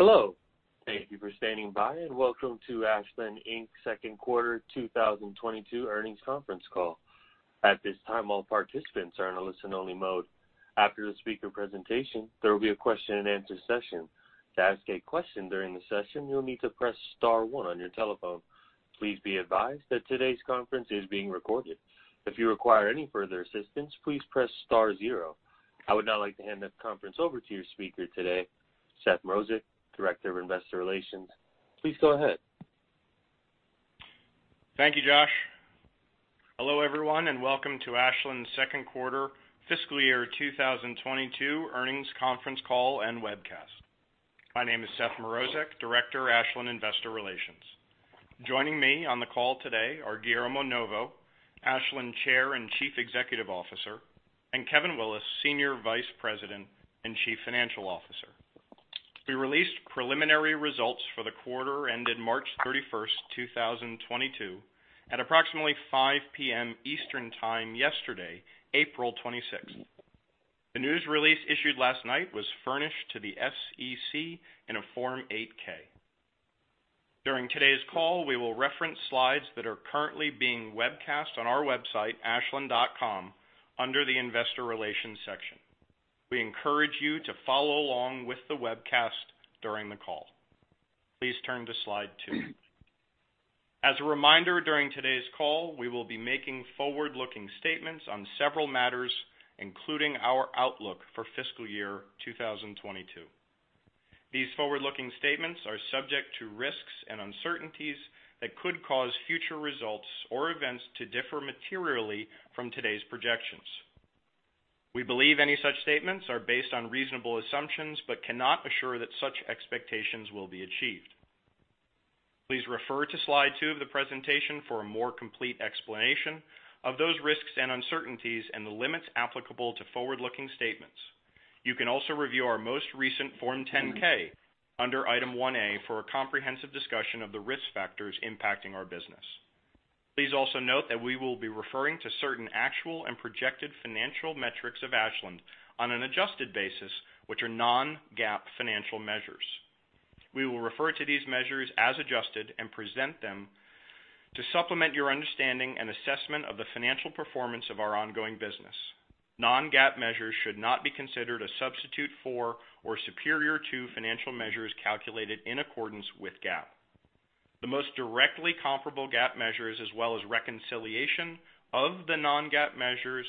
Hello. Thank you for standing by, and welcome to Ashland Inc.'s second quarter 2022 earnings conference call. At this time, all participants are in a listen only mode. After the speaker presentation, there will be a question and answer session. To ask a question during the session, you'll need to press star one on your telephone. Please be advised that today's conference is being recorded. If you require any further assistance, please press star zero. I would now like to hand this conference over to your speaker today, Seth Mrozek, Director of Investor Relations. Please go ahead. Thank you, Josh. Hello everyone, and welcome to Ashland's second quarter fiscal year 2022 earnings conference call and webcast. My name is Seth Mrozek, Director of Ashland Investor Relations. Joining me on the call today are Guillermo Novo, Ashland Chair and Chief Executive Officer, and Kevin Willis, Senior Vice President and Chief Financial Officer. We released preliminary results for the quarter ended March 31st, 2022 at approximately 5 P.M. Eastern Time yesterday, April 26th. The news release issued last night was furnished to the SEC in a Form 8-K. During today's call, we will reference slides that are currently being webcast on our website, ashland.com, under the investor relations section. We encourage you to follow along with the webcast during the call. Please turn to slide two. As a reminder, during today's call, we will be making forward-looking statements on several matters, including our outlook for fiscal year 2022. These forward-looking statements are subject to risks and uncertainties that could cause future results or events to differ materially from today's projections. We believe any such statements are based on reasonable assumptions, but cannot assure that such expectations will be achieved. Please refer to slide two of the presentation for a more complete explanation of those risks and uncertainties and the limits applicable to forward-looking statements. You can also review our most recent Form 10-K under Item 1A for a comprehensive discussion of the risk factors impacting our business. Please also note that we will be referring to certain actual and projected financial metrics of Ashland on an adjusted basis, which are non-GAAP financial measures. We will refer to these measures as adjusted and present them to supplement your understanding and assessment of the financial performance of our ongoing business. Non-GAAP measures should not be considered a substitute for or superior to financial measures calculated in accordance with GAAP. The most directly comparable GAAP measures as well as reconciliation of the non-GAAP measures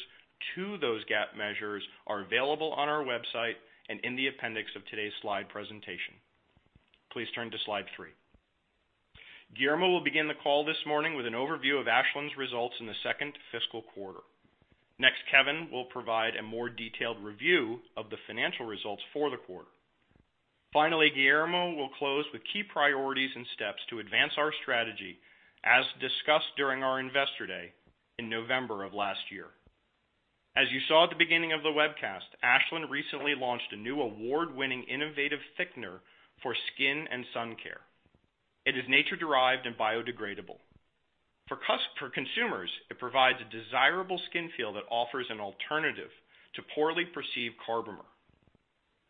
to those GAAP measures are available on our website and in the appendix of today's slide presentation. Please turn to slide three. Guillermo will begin the call this morning with an overview of Ashland's results in the second fiscal quarter. Next, Kevin will provide a more detailed review of the financial results for the quarter. Finally, Guillermo will close with key priorities and steps to advance our strategy as discussed during our Investor Day in November of last year. As you saw at the beginning of the webcast, Ashland recently launched a new award-winning innovative thickener for skin and sun care. It is nature derived and biodegradable. For consumers, it provides a desirable skin feel that offers an alternative to poorly perceived carbomer.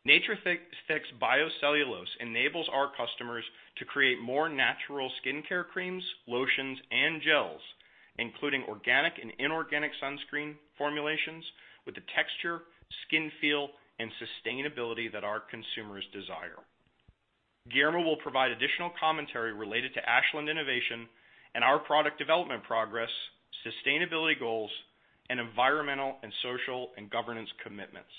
Natrathix Bio-cellulose enables our customers to create more natural skincare creams, lotions and gels, including organic and inorganic sunscreen formulations with the texture, skin feel and sustainability that our consumers desire. Guillermo will provide additional commentary related to Ashland innovation and our product development progress, sustainability goals, and environmental and social and governance commitments.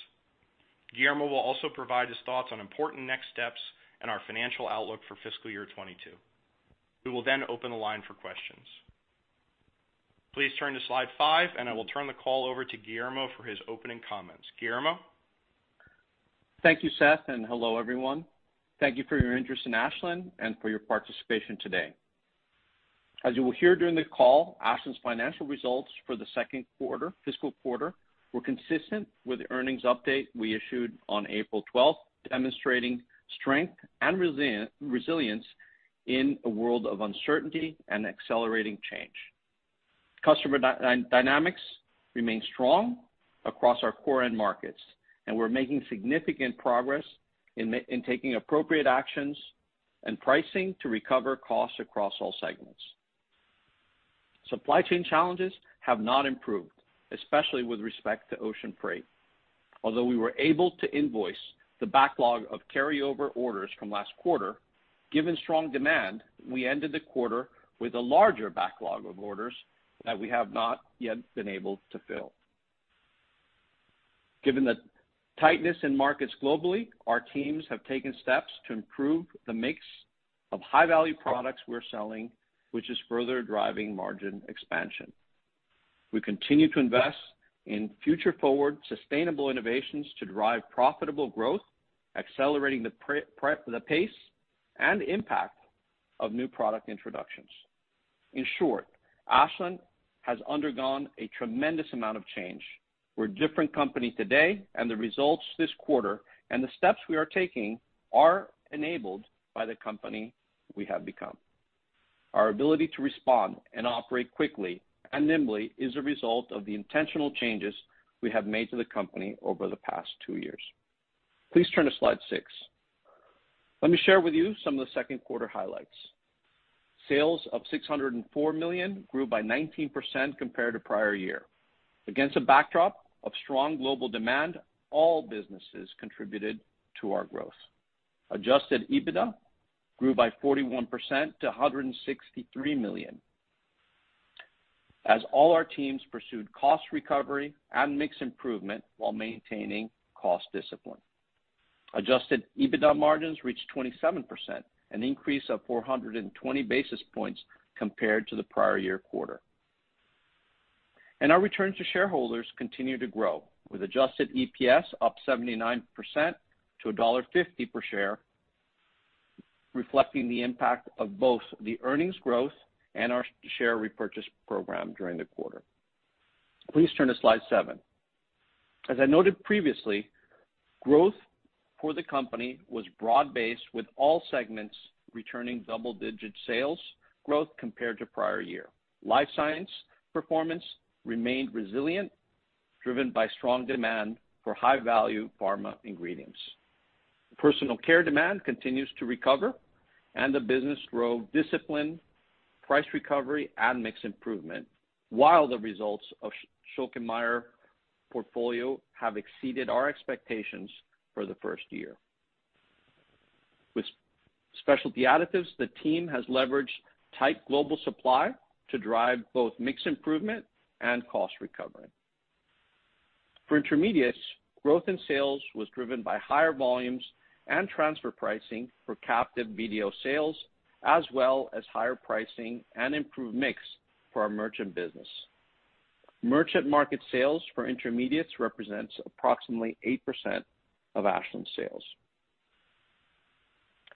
Guillermo will also provide his thoughts on important next steps and our financial outlook for fiscal year 2022. We will then open the line for questions. Please turn to slide five, and I will turn the call over to Guillermo for his opening comments. Guillermo? Thank you, Seth, and hello everyone. Thank you for your interest in Ashland and for your participation today. As you will hear during the call, Ashland's financial results for the second quarter, fiscal quarter, were consistent with the earnings update we issued on April 12, demonstrating strength and resilience in a world of uncertainty and accelerating change. Customer dynamics remain strong across our core end markets, and we're making significant progress in taking appropriate actions and pricing to recover costs across all segments. Supply chain challenges have not improved, especially with respect to ocean freight. Although we were able to invoice the backlog of carryover orders from last quarter, given strong demand, we ended the quarter with a larger backlog of orders that we have not yet been able to fill. Given the tightness in markets globally, our teams have taken steps to improve the mix of high-value products we're selling, which is further driving margin expansion. We continue to invest in future forward sustainable innovations to drive profitable growth, accelerating the pace and impact of new product introductions. In short, Ashland has undergone a tremendous amount of change. We're a different company today, and the results this quarter and the steps we are taking are enabled by the company we have become. Our ability to respond and operate quickly and nimbly is a result of the intentional changes we have made to the company over the past two years. Please turn to slide six. Let me share with you some of the second quarter highlights. Sales of $604 million grew by 19% compared to prior year. Against a backdrop of strong global demand, all businesses contributed to our growth. Adjusted EBITDA grew by 41% to $163 million. As all our teams pursued cost recovery and mix improvement while maintaining cost discipline. Adjusted EBITDA margins reached 27%, an increase of 420 basis points compared to the prior year quarter. Our return to shareholders continued to grow, with adjusted EPS up 79% to $1.50 per share, reflecting the impact of both the earnings growth and our share repurchase program during the quarter. Please turn to slide seven. As I noted previously, growth for the company was broad-based, with all segments returning double-digit sales growth compared to prior year. Life Sciences performance remained resilient, driven by strong demand for high-value pharma ingredients. Personal Care demand continues to recover and the business growth discipline, price recovery, and mix improvement, while the results of Schülke & Mayr portfolio have exceeded our expectations for the first year. With Specialty Additives, the team has leveraged tight global supply to drive both mix improvement and cost recovery. For Intermediates, growth in sales was driven by higher volumes and transfer pricing for captive BDO sales, as well as higher pricing and improved mix for our merchant business. Merchant market sales for Intermediates represents approximately 8% of Ashland sales.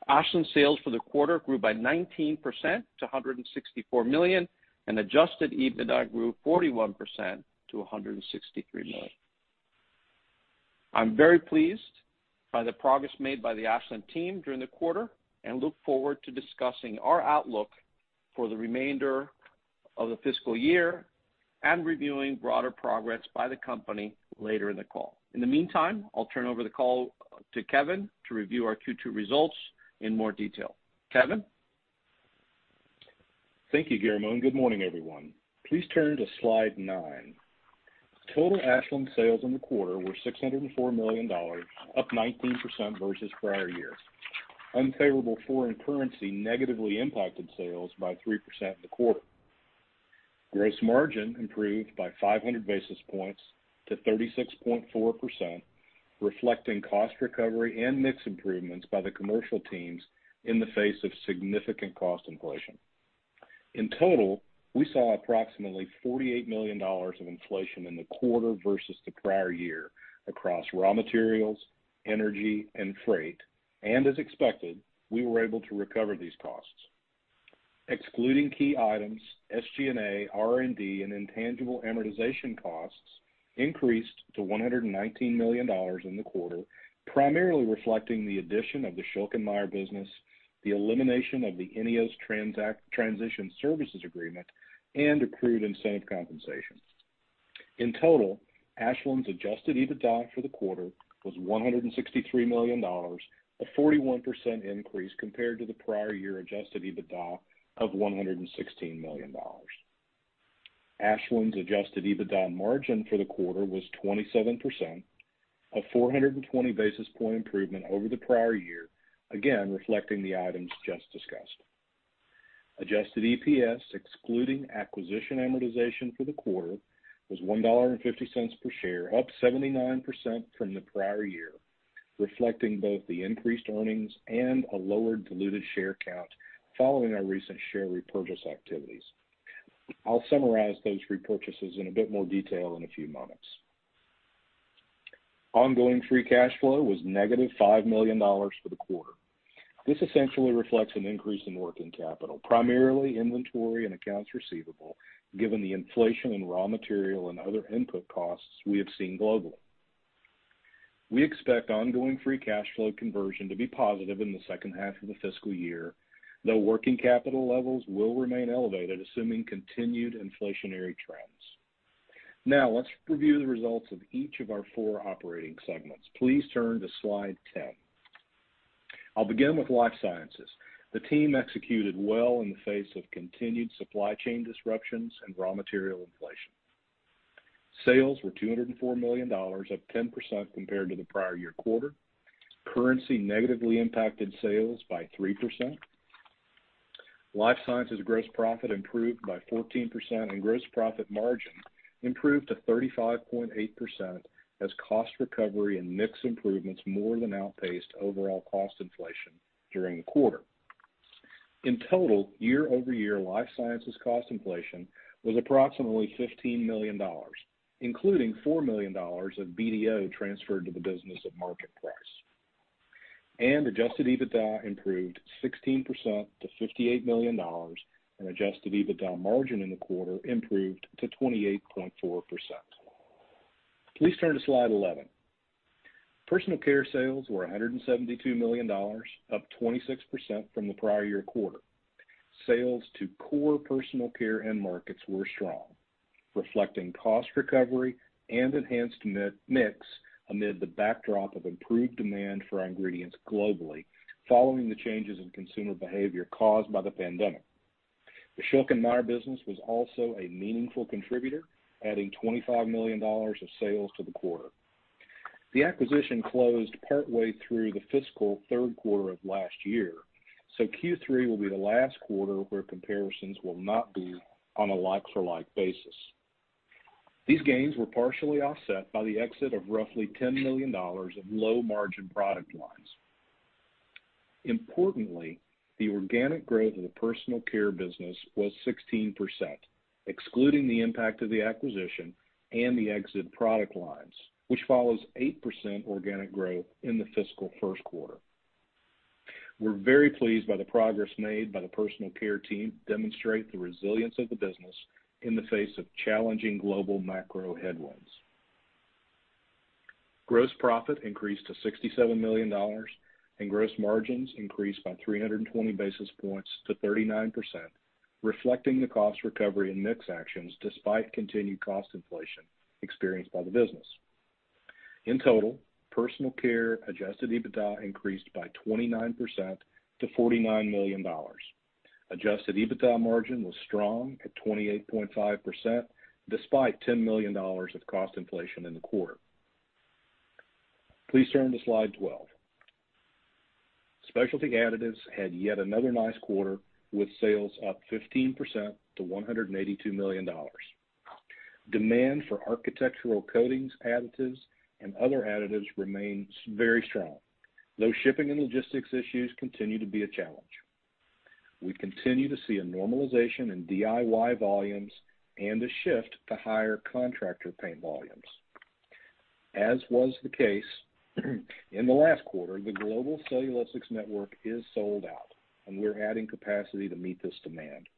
Ashland sales for the quarter grew by 19% to $164 million, and adjusted EBITDA grew 41% to $163 million. I'm very pleased by the progress made by the Ashland team during the quarter and look forward to discussing our outlook for the remainder of the fiscal year and reviewing broader progress by the company later in the call. In the meantime, I'll turn over the call to Kevin to review our Q2 results in more detail. Kevin? Thank you, Guillermo, and good morning, everyone. Please turn to slide nine. Total Ashland sales in the quarter were $604 million, up 19% versus prior year's. Unfavorable foreign currency negatively impacted sales by 3% in the quarter. Gross margin improved by 500 basis points to 36.4%, reflecting cost recovery and mix improvements by the commercial teams in the face of significant cost inflation. In total, we saw approximately $48 million of inflation in the quarter versus the prior year across raw materials, energy, and freight, and as expected, we were able to recover these costs. Excluding key items, SG&A, R&D, and intangible amortization costs increased to $119 million in the quarter, primarily reflecting the addition of the Schülke & Mayr business, the elimination of the INEOS transition services agreement, and accrued incentive compensation. In total, Ashland's adjusted EBITDA for the quarter was $163 million, a 41% increase compared to the prior year adjusted EBITDA of $116 million. Ashland's adjusted EBITDA margin for the quarter was 27%, a 420 basis point improvement over the prior year, again, reflecting the items just discussed. Adjusted EPS, excluding acquisition amortization for the quarter, was $1.50 per share, up 79% from the prior year, reflecting both the increased earnings and a lower diluted share count following our recent share repurchase activities. I'll summarize those repurchases in a bit more detail in a few moments. Ongoing free cash flow was negative $5 million for the quarter. This essentially reflects an increase in working capital, primarily inventory and accounts receivable, given the inflation in raw material and other input costs we have seen globally. We expect ongoing free cash flow conversion to be positive in the second half of the fiscal year, though working capital levels will remain elevated, assuming continued inflationary trends. Now, let's review the results of each of our four operating segments. Please turn to slide 10. I'll begin with Life Sciences. The team executed well in the face of continued supply chain disruptions and raw material inflation. Sales were $204 million, up 10% compared to the prior year quarter. Currency negatively impacted sales by 3%. Life Sciences gross profit improved by 14%, and gross profit margin improved to 35.8% as cost recovery and mix improvements more than outpaced overall cost inflation during the quarter. In total, year-over-year Life Sciences cost inflation was approximately $15 million, including $4 million of BDO transferred to the business at market price. Adjusted EBITDA improved 16% to $58 million, and adjusted EBITDA margin in the quarter improved to 28.4%. Please turn to slide 11. Personal Care sales were $172 million, up 26% from the prior year quarter. Sales to core Personal Care end markets were strong, reflecting cost recovery and enhanced mix amid the backdrop of improved demand for our ingredients globally following the changes in consumer behavior caused by the pandemic. The Schülke & Mayr business was also a meaningful contributor, adding $25 million of sales to the quarter. The acquisition closed partway through the fiscal third quarter of last year, so Q3 will be the last quarter where comparisons will not be on a like-for-like basis. These gains were partially offset by the exit of roughly $10 million of low margin product lines. Importantly, the organic growth of the Personal Care business was 16%, excluding the impact of the acquisition and the exit product lines, which follows 8% organic growth in the fiscal first quarter. We're very pleased by the progress made by the Personal Care team to demonstrate the resilience of the business in the face of challenging global macro headwinds. Gross profit increased to $67 million, and gross margins increased by 300 basis points to 39%, reflecting the cost recovery and mix actions despite continued cost inflation experienced by the business. In total, Personal Care adjusted EBITDA increased by 29% to $49 million. Adjusted EBITDA margin was strong at 28.5%, despite $10 million of cost inflation in the quarter. Please turn to slide 12. Specialty Additives had yet another nice quarter, with sales up 15% to $182 million. Demand for architectural coatings, additives, and other additives remains very strong, though shipping and logistics issues continue to be a challenge. We continue to see a normalization in DIY volumes and a shift to higher contractor paint volumes. As was the case in the last quarter, the global cellulosics network is sold out, and we're adding capacity to meet this demand.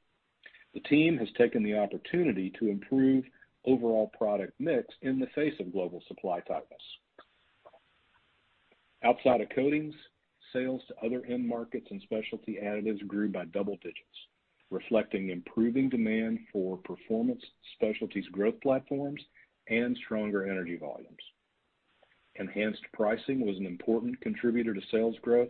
The team has taken the opportunity to improve overall product mix in the face of global supply tightness. Outside of coatings, sales to other end markets and Specialty Additives grew by double digits, reflecting improving demand for performance specialties growth platforms and stronger energy volumes. Enhanced pricing was an important contributor to sales growth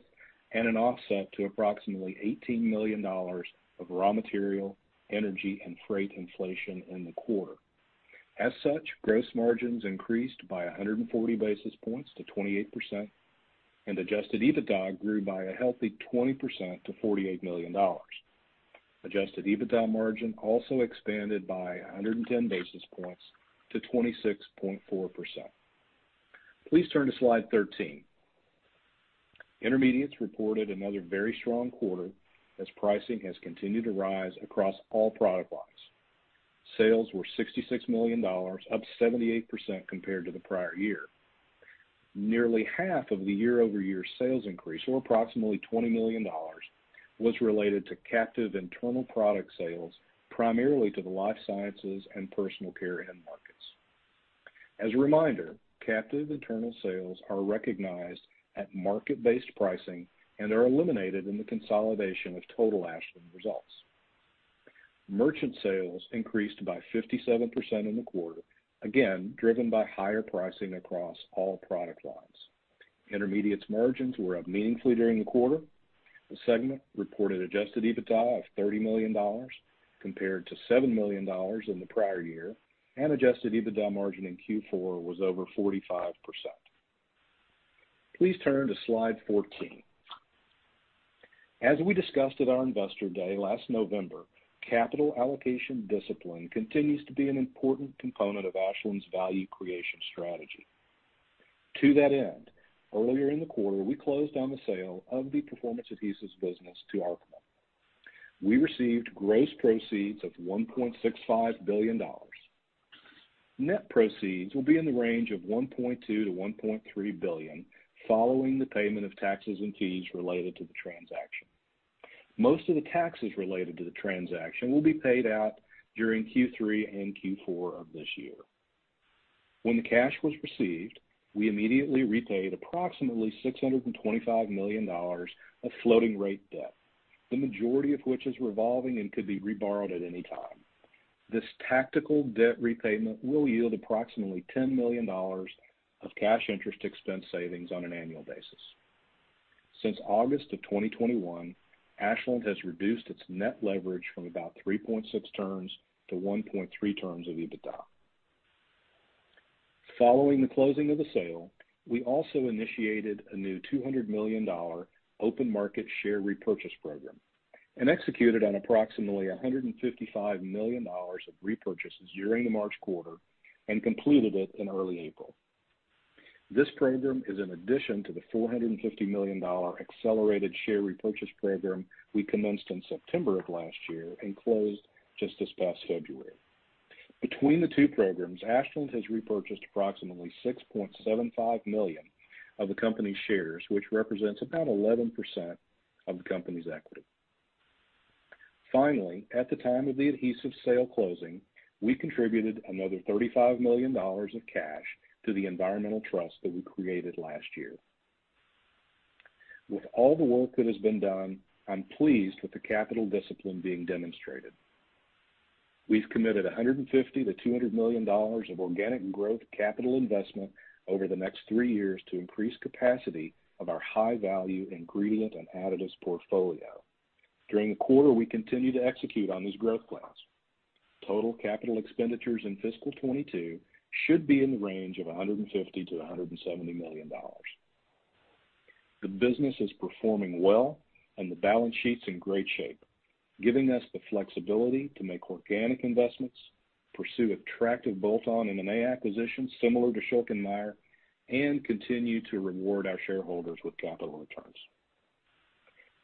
and an offset to approximately $18 million of raw material, energy, and freight inflation in the quarter. As such, gross margins increased by 140 basis points to 28%, and Adjusted EBITDA grew by a healthy 20% to $48 million. Adjusted EBITDA margin also expanded by 110 basis points to 26.4%. Please turn to slide 13. Intermediates reported another very strong quarter as pricing has continued to rise across all product lines. Sales were $66 million, up 78% compared to the prior year. Nearly half of the year-over-year sales increase, or approximately $20 million, was related to captive internal product sales, primarily to the Life Sciences and Personal Care end markets. As a reminder, captive internal sales are recognized at market-based pricing and are eliminated in the consolidation of total Ashland results. Merchant sales increased by 57% in the quarter, again driven by higher pricing across all product lines. Intermediates margins were up meaningfully during the quarter. The segment reported adjusted EBITDA of $30 million compared to $7 million in the prior year, and adjusted EBITDA margin in Q4 was over 45%. Please turn to slide 14. As we discussed at our Investor Day last November, capital allocation discipline continues to be an important component of Ashland's value creation strategy. To that end, earlier in the quarter, we closed on the sale of the Performance Adhesives business to Arkema. We received gross proceeds of $1.65 billion. Net proceeds will be in the range of $1.2 billion-$1.3 billion following the payment of taxes and fees related to the transaction. Most of the taxes related to the transaction will be paid out during Q3 and Q4 of this year. When the cash was received, we immediately repaid approximately $625 million of floating rate debt, the majority of which is revolving and could be reborrowed at any time. This tactical debt repayment will yield approximately $10 million of cash interest expense savings on an annual basis. Since August 2021, Ashland has reduced its net leverage from about 3.6 times to 1.3 times of EBITDA. Following the closing of the sale, we also initiated a new $200 million open market share repurchase program and executed on approximately $155 million of repurchases during the March quarter and completed it in early April. This program is in addition to the $450 million accelerated share repurchase program we commenced in September of last year and closed just this past February. Between the two programs, Ashland has repurchased approximately $6.75 million of the company's shares, which represents about 11% of the company's equity. Finally, at the time of the adhesive sale closing, we contributed another $35 million of cash to the environmental trust that we created last year. With all the work that has been done, I'm pleased with the capital discipline being demonstrated. We've committed $150 million-$200 million of organic growth capital investment over the next three years to increase capacity of our high-value ingredient and additives portfolio. During the quarter, we continued to execute on these growth plans. Total capital expenditures in fiscal 2022 should be in the range of $150 million-$170 million. The business is performing well, and the balance sheet's in great shape, giving us the flexibility to make organic investments, pursue attractive bolt-on M&A acquisitions similar to Schülke & Mayr, and continue to reward our shareholders with capital returns.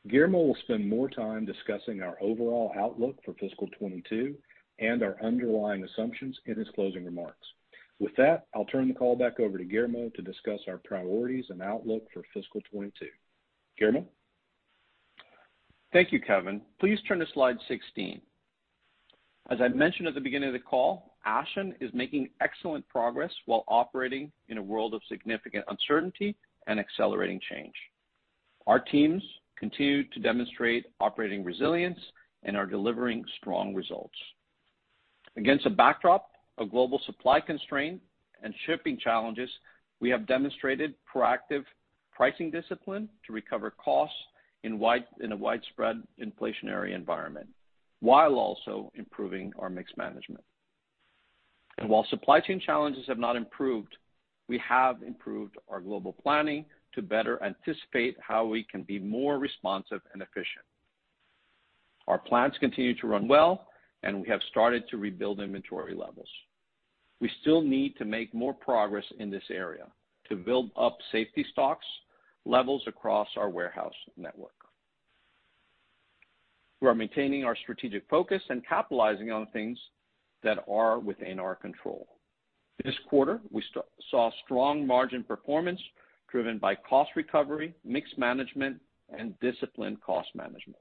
Guillermo will spend more time discussing our overall outlook for fiscal 2022 and our underlying assumptions in his closing remarks. With that, I'll turn the call back over to Guillermo to discuss our priorities and outlook for fiscal 2022. Guillermo? Thank you, Kevin. Please turn to slide 16. As I mentioned at the beginning of the call, Ashland is making excellent progress while operating in a world of significant uncertainty and accelerating change. Our teams continue to demonstrate operating resilience and are delivering strong results. Against a backdrop of global supply constraint and shipping challenges, we have demonstrated proactive pricing discipline to recover costs in a widespread inflationary environment, while also improving our mix management. While supply chain challenges have not improved, we have improved our global planning to better anticipate how we can be more responsive and efficient. Our plants continue to run well, and we have started to rebuild inventory levels. We still need to make more progress in this area to build up safety stocks levels across our warehouse network. We are maintaining our strategic focus and capitalizing on things that are within our control. This quarter, we saw strong margin performance driven by cost recovery, mix management, and disciplined cost management.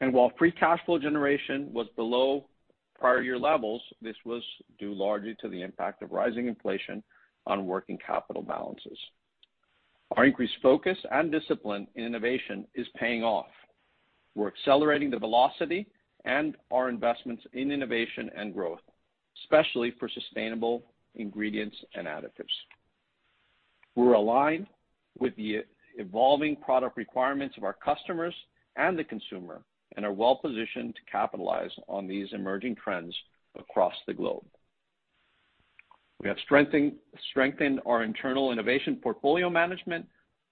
While free cash flow generation was below prior year levels, this was due largely to the impact of rising inflation on working capital balances. Our increased focus and discipline in innovation is paying off. We're accelerating the velocity and our investments in innovation and growth, especially for sustainable ingredients and additives. We're aligned with the evolving product requirements of our customers and the consumer, and are well-positioned to capitalize on these emerging trends across the globe. We have strengthened our internal innovation portfolio management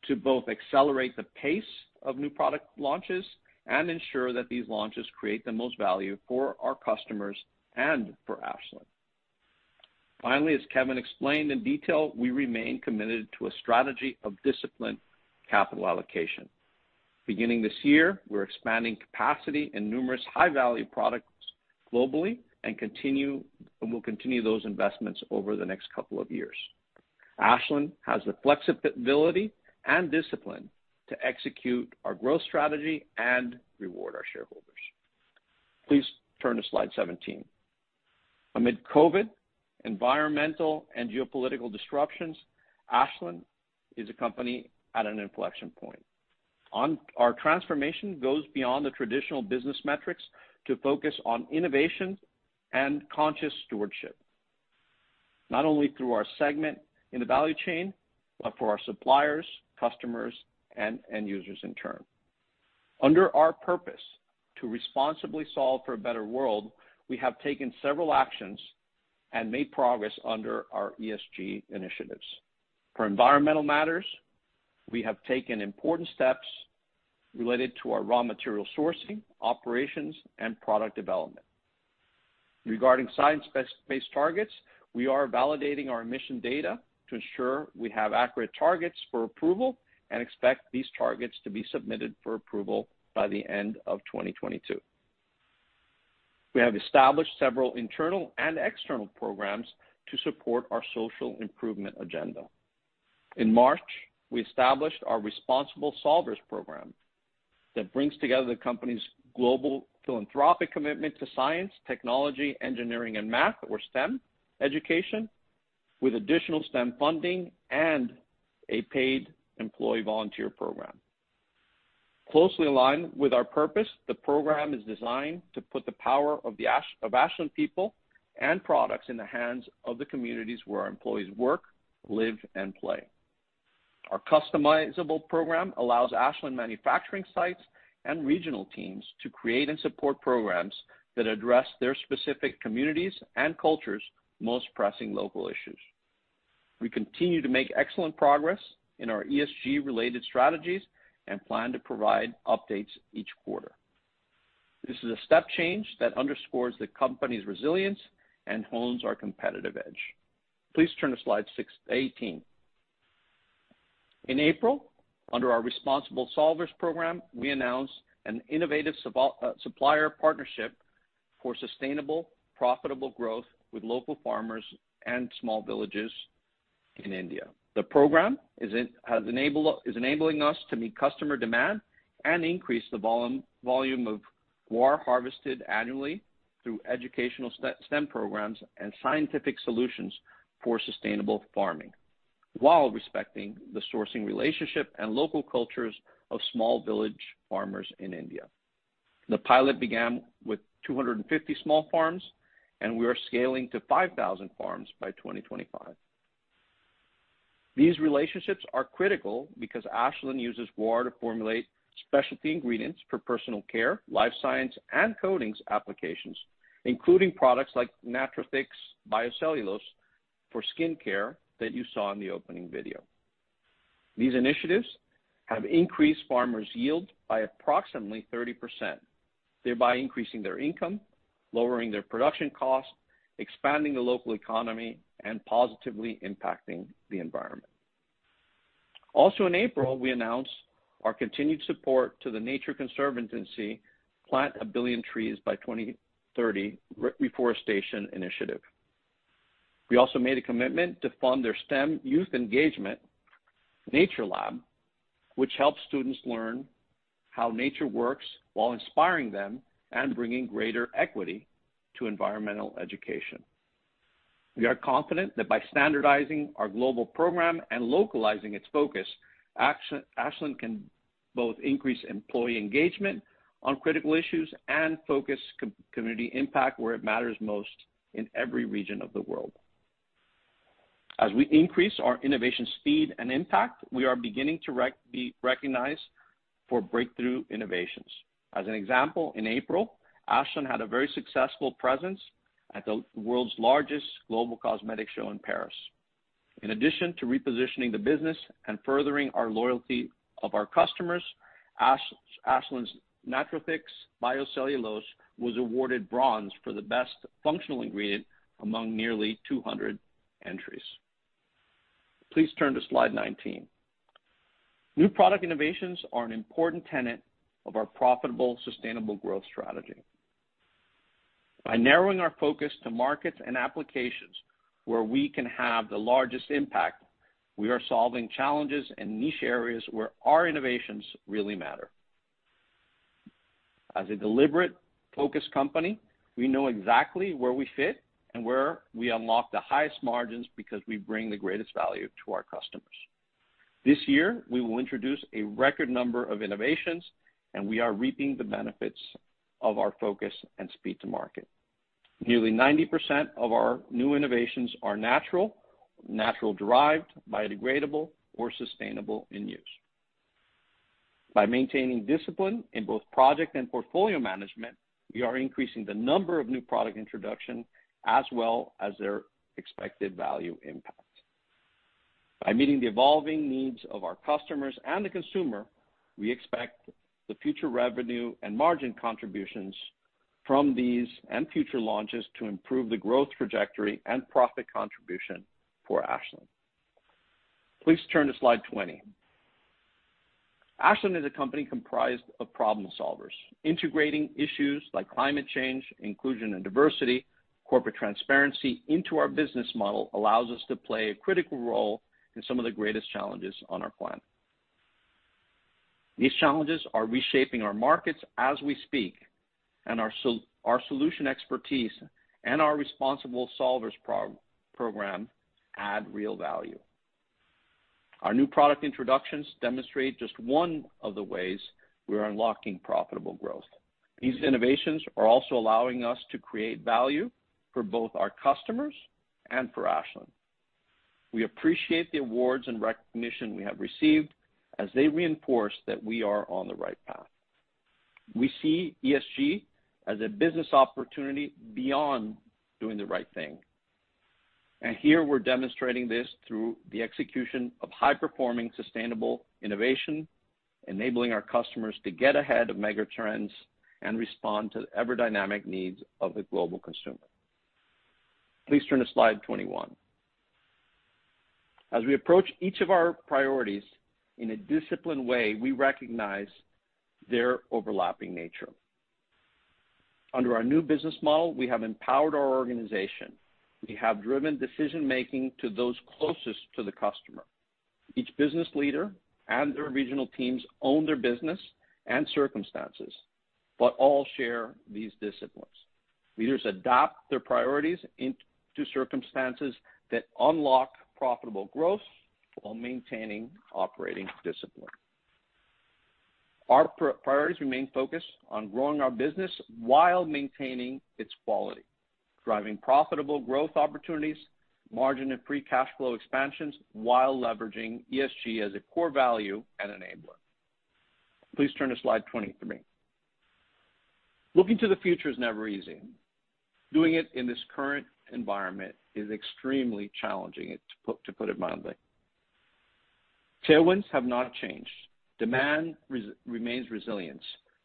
to both accelerate the pace of new product launches and ensure that these launches create the most value for our customers and for Ashland. Finally, as Kevin explained in detail, we remain committed to a strategy of disciplined capital allocation. Beginning this year, we're expanding capacity in numerous high-value products globally and will continue those investments over the next couple of years. Ashland has the flexibility and discipline to execute our growth strategy and reward our shareholders. Please turn to slide 17. Amid COVID, environmental, and geopolitical disruptions, Ashland is a company at an inflection point. Our transformation goes beyond the traditional business metrics to focus on innovation and conscious stewardship, not only through our segment in the value chain, but for our suppliers, customers, and end users in turn. Under our purpose to responsibly solve for a better world, we have taken several actions and made progress under our ESG initiatives. For environmental matters, we have taken important steps related to our raw material sourcing, operations, and product development. Regarding science-based targets, we are validating our emission data to ensure we have accurate targets for approval and expect these targets to be submitted for approval by the end of 2022. We have established several internal and external programs to support our social improvement agenda. In March, we established our Responsible Solvers program that brings together the company's global philanthropic commitment to science, technology, engineering and math, or STEM, education with additional STEM funding and a paid employee volunteer program. Closely aligned with our purpose, the program is designed to put the power of Ashland people and products in the hands of the communities where our employees work, live, and play. Our customizable program allows Ashland manufacturing sites and regional teams to create and support programs that address their specific communities' and cultures' most pressing local issues. We continue to make excellent progress in our ESG-related strategies and plan to provide updates each quarter. This is a step change that underscores the company's resilience and hones our competitive edge. Please turn to slide 18. In April, under our Responsible Solvers program, we announced an innovative supplier partnership for sustainable, profitable growth with local farmers and small villages in India. The program is enabling us to meet customer demand and increase the volume of guar harvested annually through educational STEM programs and scientific solutions for sustainable farming, while respecting the sourcing relationship and local cultures of small village farmers in India. The pilot began with 250 small farms, and we are scaling to 5,000 farms by 2025. These relationships are critical because Ashland uses guar to formulate specialty ingredients for Personal Care, Life Science, and coatings applications, including products like Natrathix Bio-cellulose for skincare that you saw in the opening video. These initiatives have increased farmers' yield by approximately 30%, thereby increasing their income, lowering their production costs, expanding the local economy, and positively impacting the environment. Also in April, we announced our continued support to the Nature Conservancy Plant a Billion Trees by 2030 reforestation initiative. We also made a commitment to fund their STEM youth engagement nature lab, which helps students learn how nature works while inspiring them and bringing greater equity to environmental education. We are confident that by standardizing our global program and localizing its focus, Ashland can both increase employee engagement on critical issues and focus community impact where it matters most in every region of the world. As we increase our innovation speed and impact, we are beginning to be recognized for breakthrough innovations. As an example, in April, Ashland had a very successful presence at the world's largest global cosmetic show in Paris. In addition to repositioning the business and furthering our loyalty of our customers, Ashland's Natrathix Bio-cellulose was awarded Bronze for the best functional ingredient among nearly 200 entries. Please turn to slide 19. New product innovations are an important tenet of our profitable, sustainable growth strategy. By narrowing our focus to markets and applications where we can have the largest impact, we are solving challenges in niche areas where our innovations really matter. As a deliberate, focused company, we know exactly where we fit and where we unlock the highest margins because we bring the greatest value to our customers. This year, we will introduce a record number of innovations, and we are reaping the benefits of our focus and speed to market. Nearly 90% of our new innovations are natural-derived, biodegradable, or sustainable in use. By maintaining discipline in both project and portfolio management, we are increasing the number of new product introduction as well as their expected value impact. By meeting the evolving needs of our customers and the consumer, we expect the future revenue and margin contributions from these and future launches to improve the growth trajectory and profit contribution for Ashland. Please turn to slide 20. Ashland is a company comprised of problem-solvers. Integrating issues like climate change, inclusion and diversity, corporate transparency into our business model allows us to play a critical role in some of the greatest challenges on our planet. These challenges are reshaping our markets as we speak, and our solution expertise and our Responsible Solvers program add real value. Our new product introductions demonstrate just one of the ways we are unlocking profitable growth. These innovations are also allowing us to create value for both our customers and for Ashland. We appreciate the awards and recognition we have received, as they reinforce that we are on the right path. We see ESG as a business opportunity beyond doing the right thing. Here we're demonstrating this through the execution of high-performing sustainable innovation, enabling our customers to get ahead of mega trends and respond to the ever-dynamic needs of the global consumer. Please turn to slide 21. As we approach each of our priorities in a disciplined way, we recognize their overlapping nature. Under our new business model, we have empowered our organization. We have driven decision-making to those closest to the customer. Each business leader and their regional teams own their business and circumstances, but all share these disciplines. Leaders adapt their priorities into circumstances that unlock profitable growth while maintaining operating discipline. Our priorities remain focused on growing our business while maintaining its quality, driving profitable growth opportunities, margin and free cash flow expansions, while leveraging ESG as a core value and enabler. Please turn to slide 23. Looking to the future is never easy. Doing it in this current environment is extremely challenging, to put it mildly. Tailwinds have not changed. Demand remains resilient.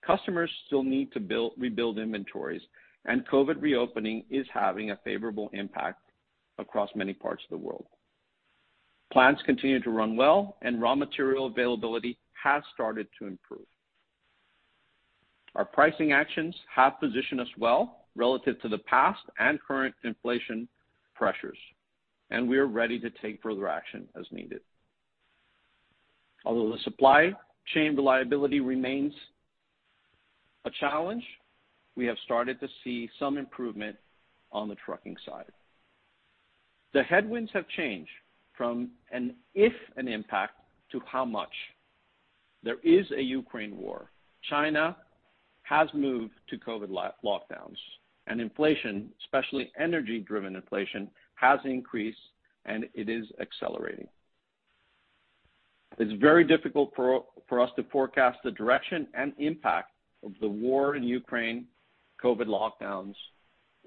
Customers still need to rebuild inventories, and COVID reopening is having a favorable impact across many parts of the world. Plants continue to run well, and raw material availability has started to improve. Our pricing actions have positioned us well relative to the past and current inflation pressures, and we are ready to take further action as needed. Although the supply chain reliability remains a challenge, we have started to see some improvement on the trucking side. The headwinds have changed from an if an impact to how much. There is a war in Ukraine. China has moved to COVID lockdowns, and inflation, especially energy-driven inflation, has increased, and it is accelerating. It's very difficult for us to forecast the direction and impact of the war in Ukraine, COVID lockdowns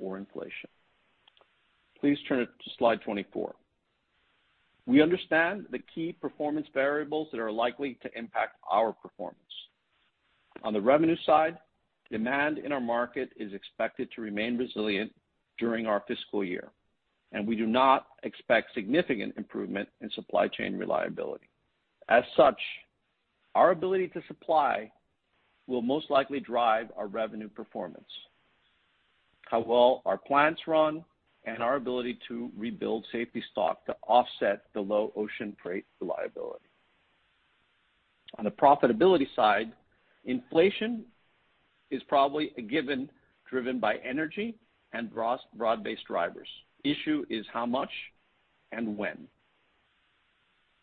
or inflation. Please turn to slide 24. We understand the key performance variables that are likely to impact our performance. On the revenue side, demand in our market is expected to remain resilient during our fiscal year, and we do not expect significant improvement in supply chain reliability. As such, our ability to supply will most likely drive our revenue performance, how well our plants run, and our ability to rebuild safety stock to offset the low ocean freight reliability. On the profitability side, inflation is probably a given, driven by energy and broad-based drivers. Issue is how much and when.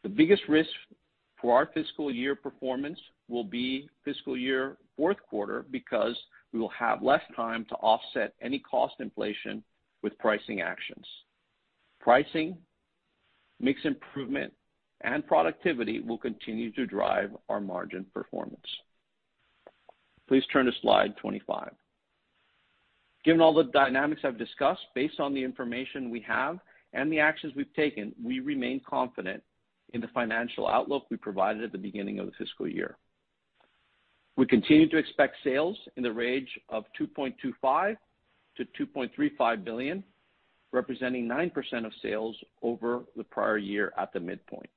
The biggest risk for our fiscal year performance will be fiscal year fourth quarter because we will have less time to offset any cost inflation with pricing actions. Pricing, mix improvement, and productivity will continue to drive our margin performance. Please turn to slide 25. Given all the dynamics I've discussed based on the information we have and the actions we've taken, we remain confident in the financial outlook we provided at the beginning of the fiscal year. We continue to expect sales in the range of $2.25 billion-$2.35 billion, representing 9% of sales over the prior year at the midpoint.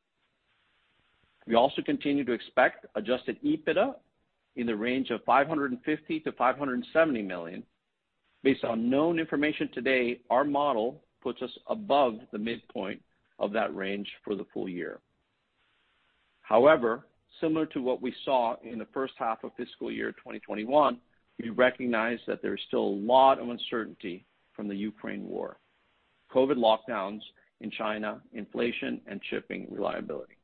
We also continue to expect adjusted EBITDA in the range of $550 million-$570 million. Based on known information today, our model puts us above the midpoint of that range for the full year. However, similar to what we saw in the first half of fiscal year 2021, we recognize that there is still a lot of uncertainty from the Ukraine war, COVID lockdowns in China, inflation and shipping reliability.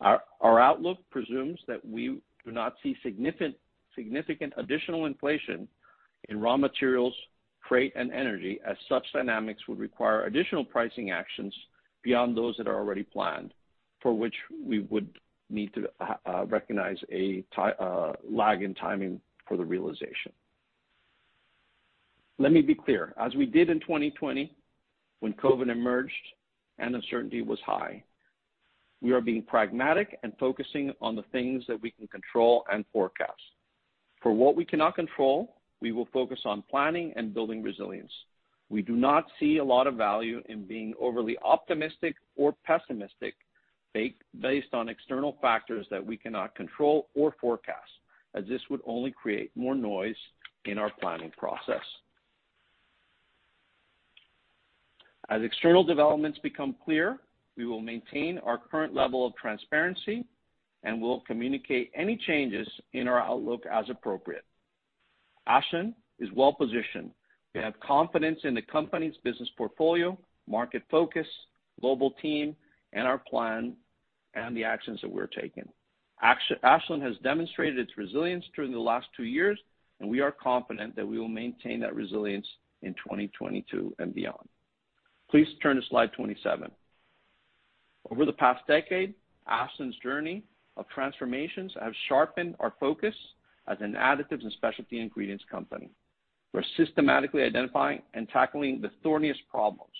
Our outlook presumes that we do not see significant additional inflation in raw materials, freight and energy, as such dynamics would require additional pricing actions beyond those that are already planned, for which we would need to recognize a lag in timing for the realization. Let me be clear, as we did in 2020 when COVID emerged and uncertainty was high, we are being pragmatic and focusing on the things that we can control and forecast. For what we cannot control, we will focus on planning and building resilience. We do not see a lot of value in being overly optimistic or pessimistic based on external factors that we cannot control or forecast, as this would only create more noise in our planning process. As external developments become clear, we will maintain our current level of transparency, and we'll communicate any changes in our outlook as appropriate. Ashland is well positioned. We have confidence in the company's business portfolio, market focus, global team and our plan and the actions that we're taking. Ashland has demonstrated its resilience during the last two years, and we are confident that we will maintain that resilience in 2022 and beyond. Please turn to slide 27. Over the past decade, Ashland's journey of transformations have sharpened our focus as an additives and specialty ingredients company. We're systematically identifying and tackling the thorniest problems.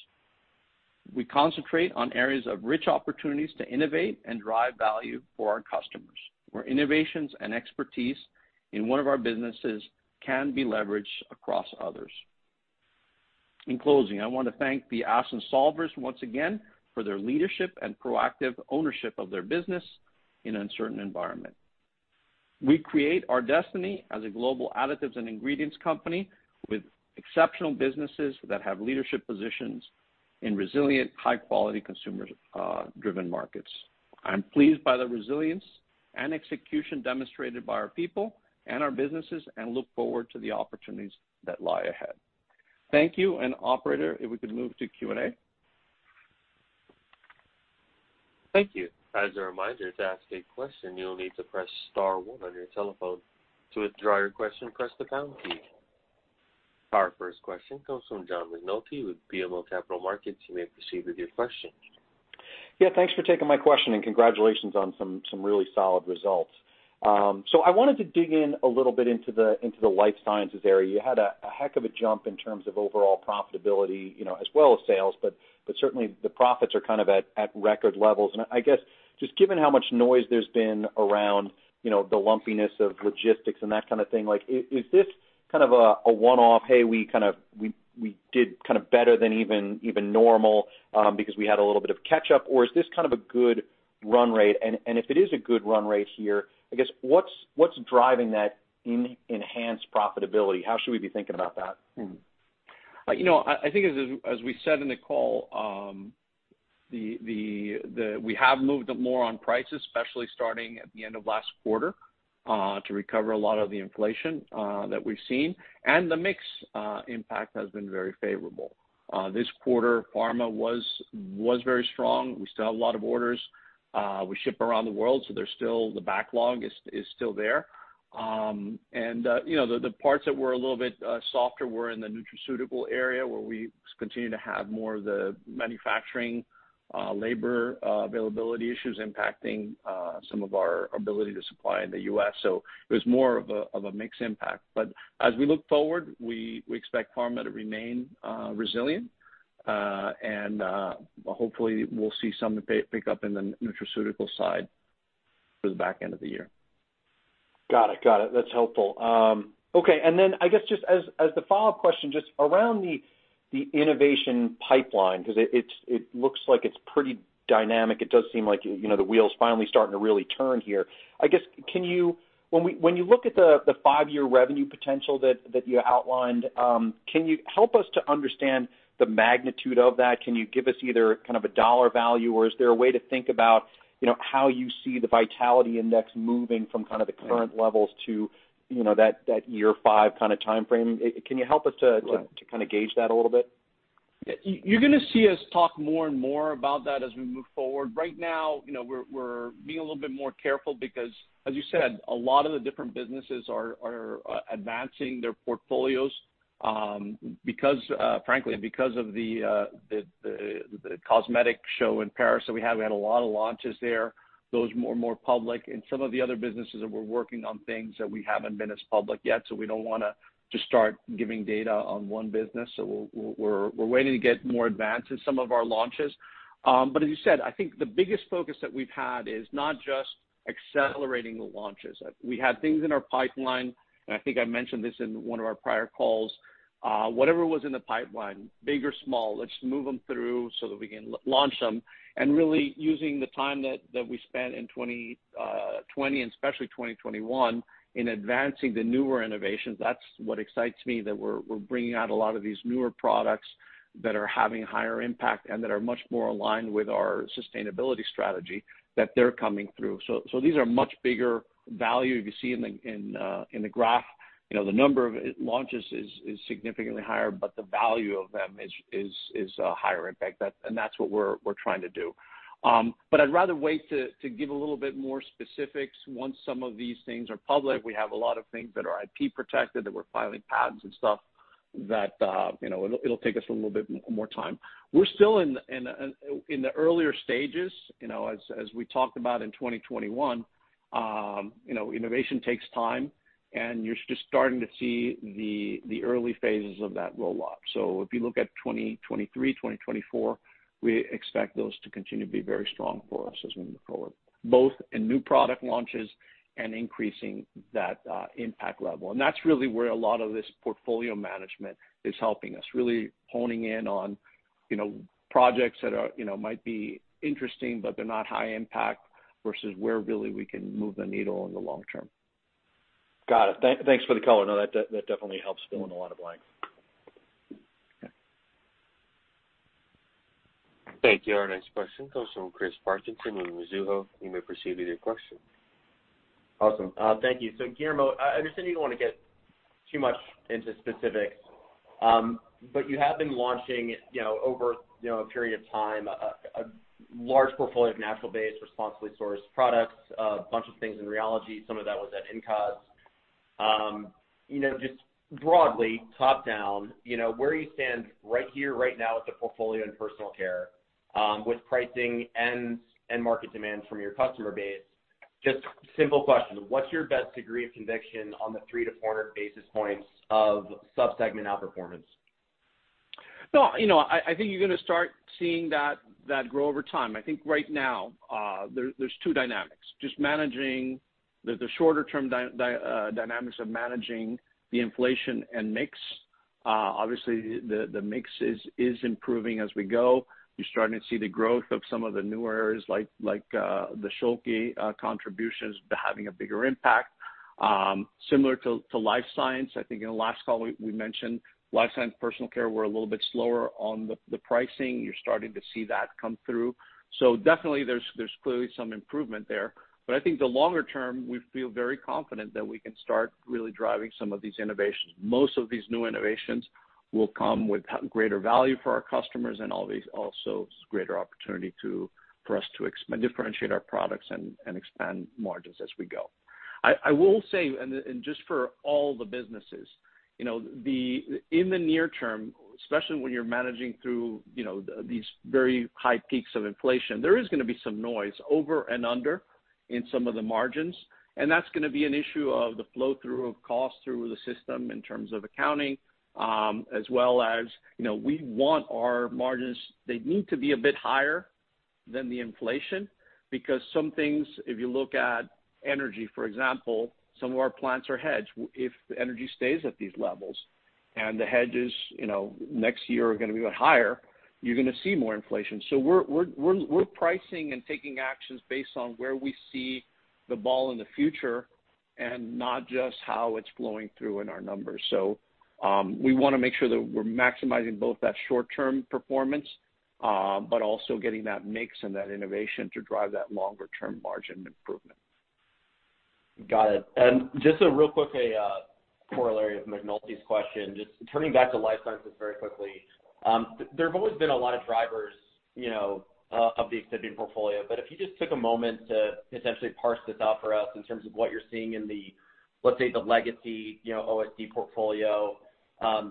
We concentrate on areas of rich opportunities to innovate and drive value for our customers, where innovations and expertise in one of our businesses can be leveraged across others. In closing, I want to thank the Ashland solvers once again for their leadership and proactive ownership of their business in an uncertain environment. We create our destiny as a global additives and ingredients company with exceptional businesses that have leadership positions in resilient, high-quality consumer-driven markets. I'm pleased by the resilience and execution demonstrated by our people and our businesses and look forward to the opportunities that lie ahead. Thank you, and operator, if we could move to Q&A. Thank you. As a reminder, to ask a question, you will need to press star one on your telephone. To withdraw your question, press the pound key. Our first question comes from John McNulty with BMO Capital Markets. You may proceed with your question. Yeah, thanks for taking my question and congratulations on some really solid results. So I wanted to dig in a little bit into the Life Sciences area. You had a heck of a jump in terms of overall profitability, you know, as well as sales, but certainly the profits are kind of at record levels. I guess, just given how much noise there's been around, you know, the lumpiness of logistics and that kind of thing, like is this kind of a one-off, "Hey, we kind of did kind of better than even normal because we had a little bit of catch up?" Or is this kind of a good run rate. If it is a good run rate here, I guess what's driving that in enhanced profitability? How should we be thinking about that? You know, I think as we said in the call, we have moved up more on prices, especially starting at the end of last quarter, to recover a lot of the inflation that we've seen. The mix impact has been very favorable. This quarter, pharma was very strong. We still have a lot of orders. We ship around the world, so the backlog is still there. You know, the parts that were a little bit softer were in the nutraceutical area, where we continue to have more of the manufacturing labor availability issues impacting some of our ability to supply in the U.S.. It was more of a mix impact. As we look forward, we expect pharma to remain resilient. Hopefully we'll see some pickup in the nutraceutical side for the back end of the year. Got it. That's helpful. Okay. Then I guess just as the follow-up question, just around the innovation pipeline, 'cause it looks like it's pretty dynamic. It does seem like, you know, the wheel's finally starting to really turn here. I guess, can you, when you look at the five-year revenue potential that you outlined, can you help us to understand the magnitude of that? Can you give us either kind of a dollar value, or is there a way to think about, you know, how you see the vitality index moving from kind of the current levels to, you know, that year five kind of timeframe? Can you help us to Right To kind of gauge that a little bit? You're gonna see us talk more and more about that as we move forward. Right now, you know, we're being a little bit more careful because, as you said, a lot of the different businesses are advancing their portfolios, because, frankly, because of the in-cosmetics in Paris that we had. We had a lot of launches there, those more and more public. Some of the other businesses that we're working on things that we haven't been as public yet, so we don't wanna just start giving data on one business. We're waiting to get more advanced in some of our launches. As you said, I think the biggest focus that we've had is not just accelerating the launches. We had things in our pipeline, and I think I mentioned this in one of our prior calls. Whatever was in the pipeline, big or small, let's move them through so that we can launch them. Really using the time that we spent in 20 and especially 2021, in advancing the newer innovations, that's what excites me, that we're bringing out a lot of these newer products that are having higher impact and that are much more aligned with our sustainability strategy that they're coming through. These are much bigger value. If you see in the graph, you know, the number of launches is significantly higher, but the value of them is higher impact. That's what we're trying to do. I'd rather wait to give a little bit more specifics once some of these things are public. We have a lot of things that are IP protected, that we're filing patents and stuff that, you know, it'll take us a little bit more time. We're still in the earlier stages. You know, as we talked about in 2021, you know, innovation takes time, and you're just starting to see the early phases of that roll up. If you look at 2023, 2024, we expect those to continue to be very strong for us as we move forward, both in new product launches and increasing that impact level. That's really where a lot of this portfolio management is helping us, really honing in on, you know, projects that are, you know, might be interesting, but they're not high impact versus where really we can move the needle in the long term. Got it. Thanks for the color. No, that definitely helps fill in a lot of blanks. Okay. Thank you. Our next question comes from Chris Parkinson in Mizuho. You may proceed with your question. Awesome. Thank you. Guillermo, I understand you don't wanna get too much into specifics, but you have been launching, you know, over, you know, a period of time, a large portfolio of natural-based, responsibly sourced products, a bunch of things in rheology. Some of that was at in-cosmetics. You know, just broadly, top-down, you know, where you stand right here, right now with the portfolio in Personal Care, with pricing and market demand from your customer base, just simple question, what's your best degree of conviction on the 300-400 basis points of sub-segment outperformance? No, I think you're gonna start seeing that grow over time. I think right now, there's two dynamics, just managing the shorter term dynamics of managing the inflation and mix. Obviously, the mix is improving as we go. You're starting to see the growth of some of the newer areas like the Schülke contributions having a bigger impact. Similar to Life Science. I think in the last call we mentioned Life Science Personal Care were a little bit slower on the pricing. You're starting to see that come through. Definitely there's clearly some improvement there. I think the longer term, we feel very confident that we can start really driving some of these innovations. Most of these new innovations will come with greater value for our customers and all these also greater opportunity for us to differentiate our products and expand margins as we go. I will say, and just for all the businesses, you know, in the near term, especially when you're managing through, you know, these very high peaks of inflation, there is gonna be some noise over and under in some of the margins, and that's gonna be an issue of the flow through of cost through the system in terms of accounting, as well as, you know, we want our margins, they need to be a bit higher than the inflation because some things, if you look at energy, for example, some of our plants are hedged. If energy stays at these levels. The hedges, you know, next year are gonna be a lot higher, you're gonna see more inflation. We're pricing and taking actions based on where we see the ball in the future and not just how it's flowing through in our numbers. We wanna make sure that we're maximizing both that short-term performance, but also getting that mix and that innovation to drive that longer term margin improvement. Got it. Just a real quick corollary of McNulty's question, just turning back to Life Sciences very quickly. There have always been a lot of drivers, you know, of the extended portfolio. But if you just took a moment to essentially parse this out for us in terms of what you're seeing in the, let's say, the legacy, you know, OSD portfolio,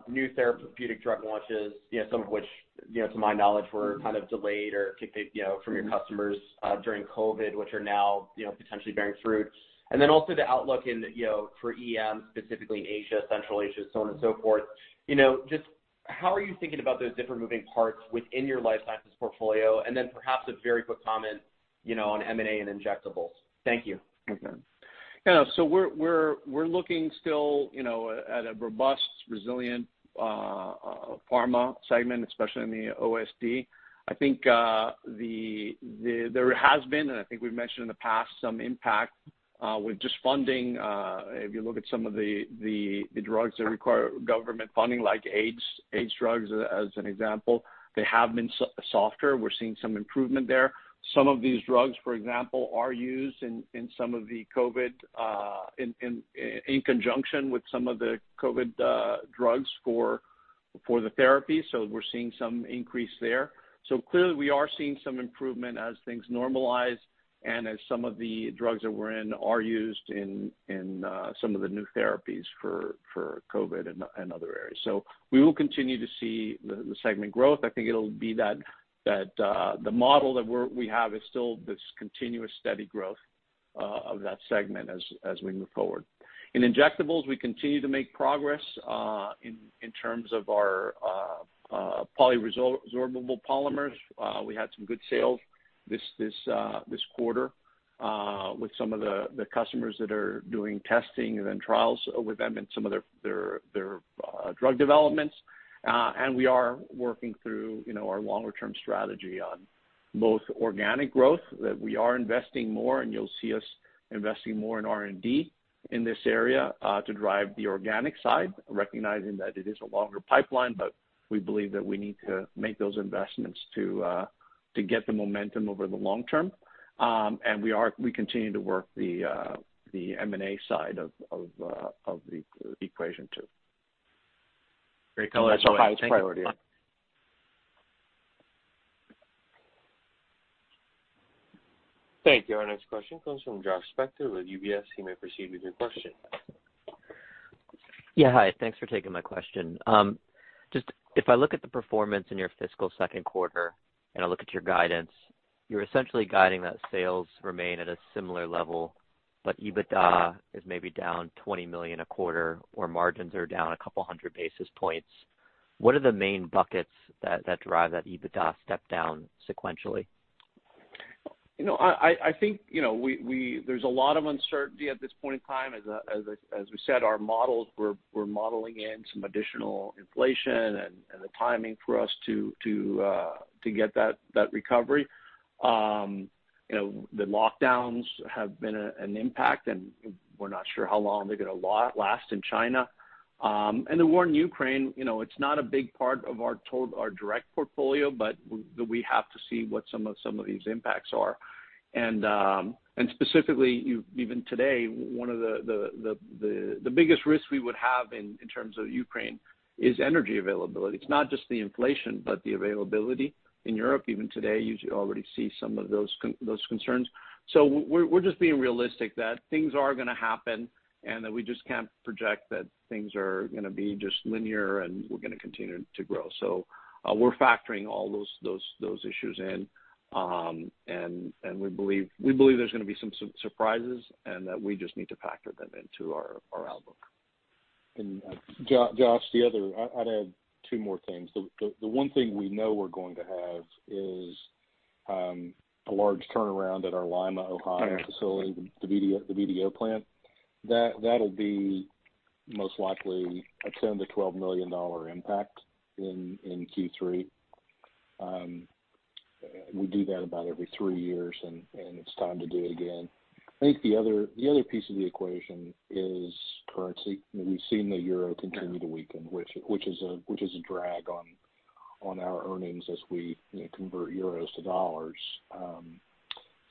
new therapeutic drug launches, you know, some of which, you know, to my knowledge, were kind of delayed or kicked, you know, from your customers, during COVID, which are now, you know, potentially bearing fruit. Then also the outlook in, you know, for EM, specifically in Asia, Central Asia, so on and so forth. You know, just how are you thinking about those different moving parts within your Life Sciences portfolio? Perhaps a very quick comment, you know, on M&A and injectables. Thank you. Okay. You know, we're looking still, you know, at a robust, resilient pharma segment, especially in the OSD. I think there has been, and I think we've mentioned in the past, some impact with just funding. If you look at some of the drugs that require government funding like AIDS drugs as an example, they have been softer. We're seeing some improvement there. Some of these drugs, for example, are used in some of the COVID in conjunction with some of the COVID drugs for the therapy. We're seeing some increase there. Clearly, we are seeing some improvement as things normalize and as some of the drugs that we're in are used in some of the new therapies for COVID and other areas. We will continue to see the segment growth. I think it'll be that the model that we have is still this continuous steady growth of that segment as we move forward. In injectables, we continue to make progress in terms of our polyresorbable polymers. We had some good sales this quarter with some of the customers that are doing testing and then trials with them in some of their drug developments. We are working through, you know, our longer term strategy on both organic growth, that we are investing more, and you'll see us investing more in R&D in this area to drive the organic side, recognizing that it is a longer pipeline. We believe that we need to make those investments to get the momentum over the long term. We continue to work the M&A side of the equation too. Great color. That's our highest priority. Thank you. Our next question comes from Josh Spector with UBS. You may proceed with your question. Yeah, hi. Thanks for taking my question. Just if I look at the performance in your fiscal second quarter and I look at your guidance, you're essentially guiding that sales remain at a similar level, but EBITDA is maybe down $20 million a quarter or margins are down a couple hundred basis points. What are the main buckets that drive that EBITDA step down sequentially? You know, I think, you know, there's a lot of uncertainty at this point in time. As we said, our models, we're modeling in some additional inflation and the timing for us to get that recovery. You know, the lockdowns have been an impact, and we're not sure how long they're gonna last in China. The war in Ukraine, you know, it's not a big part of our direct portfolio, but we have to see what some of these impacts are. Specifically, even today, one of the biggest risk we would have in terms of Ukraine is energy availability. It's not just the inflation, but the availability in Europe. Even today, you should already see some of those concerns. We're just being realistic that things are gonna happen and that we just can't project that things are gonna be just linear and we're gonna continue to grow. We're factoring all those issues in, and we believe there's gonna be some surprises and that we just need to factor them into our outlook. Josh, the other, I'd add two more things. The one thing we know we're going to have is a large turnaround at our Lima, Ohio facility, the BDO plant. That'll be most likely a $10 million-$12 million impact in Q3. We do that about every three years, and it's time to do it again. I think the other piece of the equation is currency. You know, we've seen the euro continue to weaken, which is a drag on our earnings as we, you know, convert euros to dollars.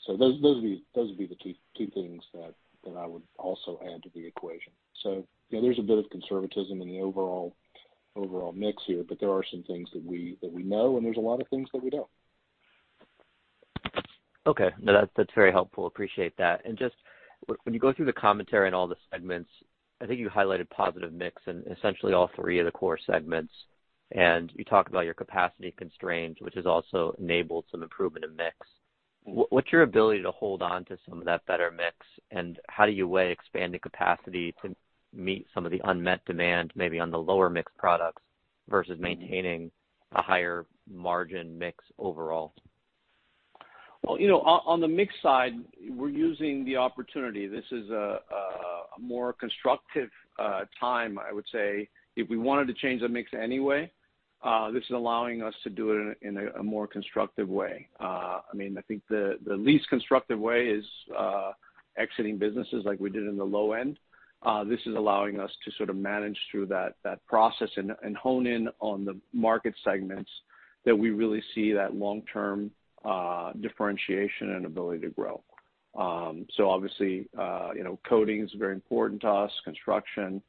So those would be the two things that I would also add to the equation, you know, there's a bit of conservatism in the overall mix here, but there are some things that we know, and there's a lot of things that we don't. Okay. No, that's very helpful. Appreciate that. Just when you go through the commentary in all the segments, I think you highlighted positive mix in essentially all three of the core segments. You talk about your capacity constraints, which has also enabled some improvement in mix. What's your ability to hold on to some of that better mix? How do you weigh expanding capacity to meet some of the unmet demand maybe on the lower mix products versus maintaining a higher margin mix overall? Well, you know, on the mix side, we're using the opportunity. This is a more constructive time, I would say. If we wanted to change the mix anyway, this is allowing us to do it in a more constructive way. I mean, I think the least constructive way is exiting businesses like we did in the low end. This is allowing us to sort of manage through that process and hone in on the market segments that we really see that long-term differentiation and ability to grow. Obviously, you know, coatings is very important to us, construction,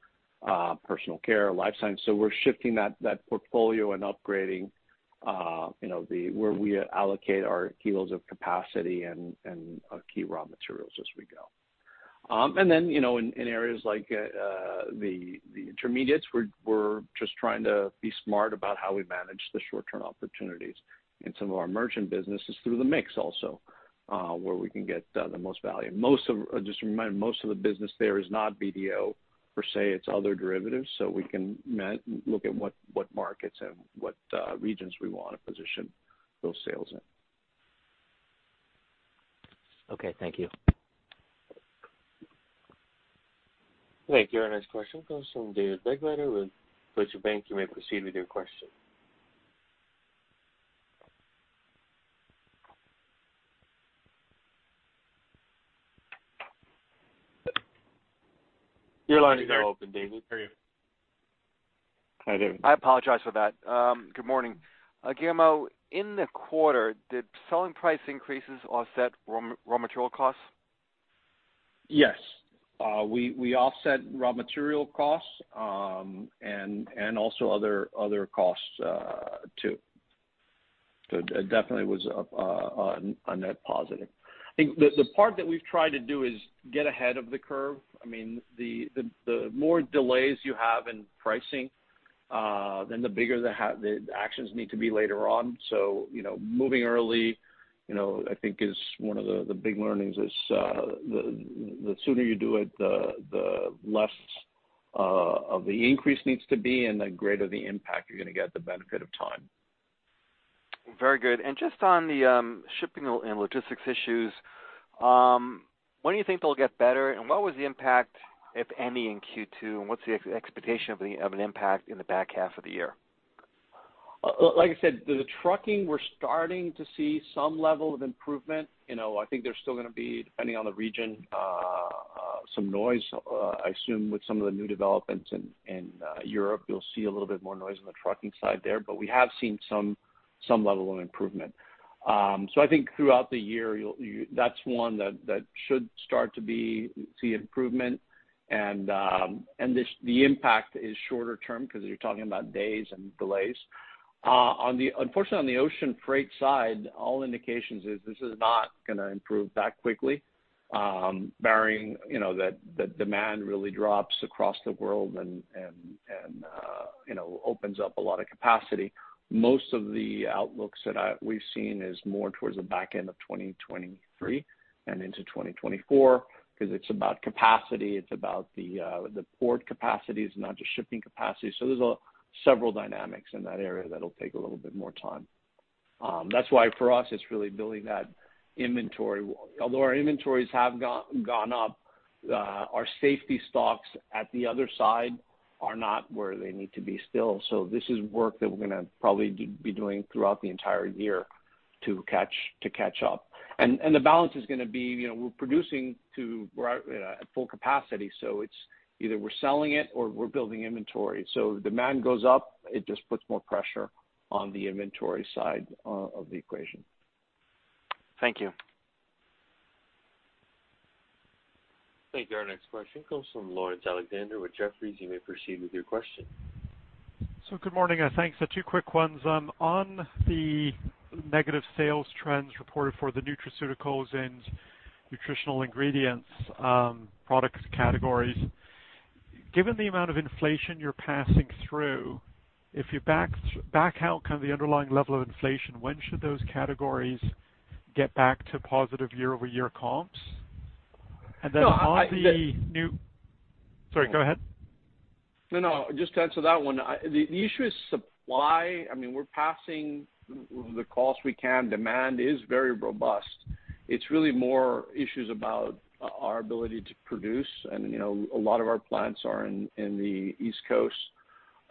Personal Care, Life Sciences. We're shifting that portfolio and upgrading, you know, where we allocate our kilos of capacity and key raw materials as we go. You know, in areas like the Intermediates, we're just trying to be smart about how we manage the short-term opportunities in some of our merchant businesses through the mix also, where we can get the most value. Just to remind, most of the business there is not BDO per se, it's other derivatives, so we can look at what markets and what regions we wanna position those sales in. Okay. Thank you. Thank you. Our next question comes from David Begleiter with Deutsche Bank. You may proceed with your question. Your line is now open, David. Hi, David. I apologize for that. Good morning. Guillermo, in the quarter, did selling price increases offset raw material costs? Yes. We offset raw material costs, and also other costs, too. It definitely was a net positive. I think the part that we've tried to do is get ahead of the curve. I mean, the more delays you have in pricing, then the bigger the actions need to be later on. You know, moving early, you know, I think is one of the big learnings, the sooner you do it, the less of the increase needs to be and the greater the impact you're gonna get the benefit of time. Very good. Just on the shipping and logistics issues, when do you think they'll get better, and what was the impact, if any, in Q2, and what's the expectation of an impact in the back half of the year? Like I said, the trucking, we're starting to see some level of improvement. You know, I think there's still gonna be, depending on the region, some noise. I assume with some of the new developments in Europe, you'll see a little bit more noise on the trucking side there. We have seen some level of improvement. I think throughout the year that's one that should see improvement. The impact is shorter term because you're talking about days and delays. Unfortunately, on the ocean freight side, all indications is this is not gonna improve that quickly, barring, you know, that the demand really drops across the world and, you know, opens up a lot of capacity. Most of the outlooks that we've seen is more towards the back end of 2023 and into 2024, 'cause it's about capacity, it's about the port capacities, not just shipping capacity. There's several dynamics in that area that'll take a little bit more time. That's why for us, it's really building that inventory. Although our inventories have gone up, our safety stocks at the other side are not where they need to be still. This is work that we're gonna probably be doing throughout the entire year to catch up. The balance is gonna be, you know, we're producing at full capacity, so it's either we're selling it or we're building inventory. Demand goes up, it just puts more pressure on the inventory side of the equation. Thank you. Thank you. Our next question comes from Laurence Alexander with Jefferies. You may proceed with your question. Good morning, and thanks. Two quick ones. On the negative sales trends reported for the nutraceuticals and nutritional ingredients products categories, given the amount of inflation you're passing through, if you back out kind of the underlying level of inflation, when should those categories get back to positive year-over-year comps? On the new- No, I- Sorry, go ahead. No, no. Just to answer that one, the issue is supply. I mean, we're passing the cost we can. Demand is very robust. It's really more issues about our ability to produce. You know, a lot of our plants are in the East Coast,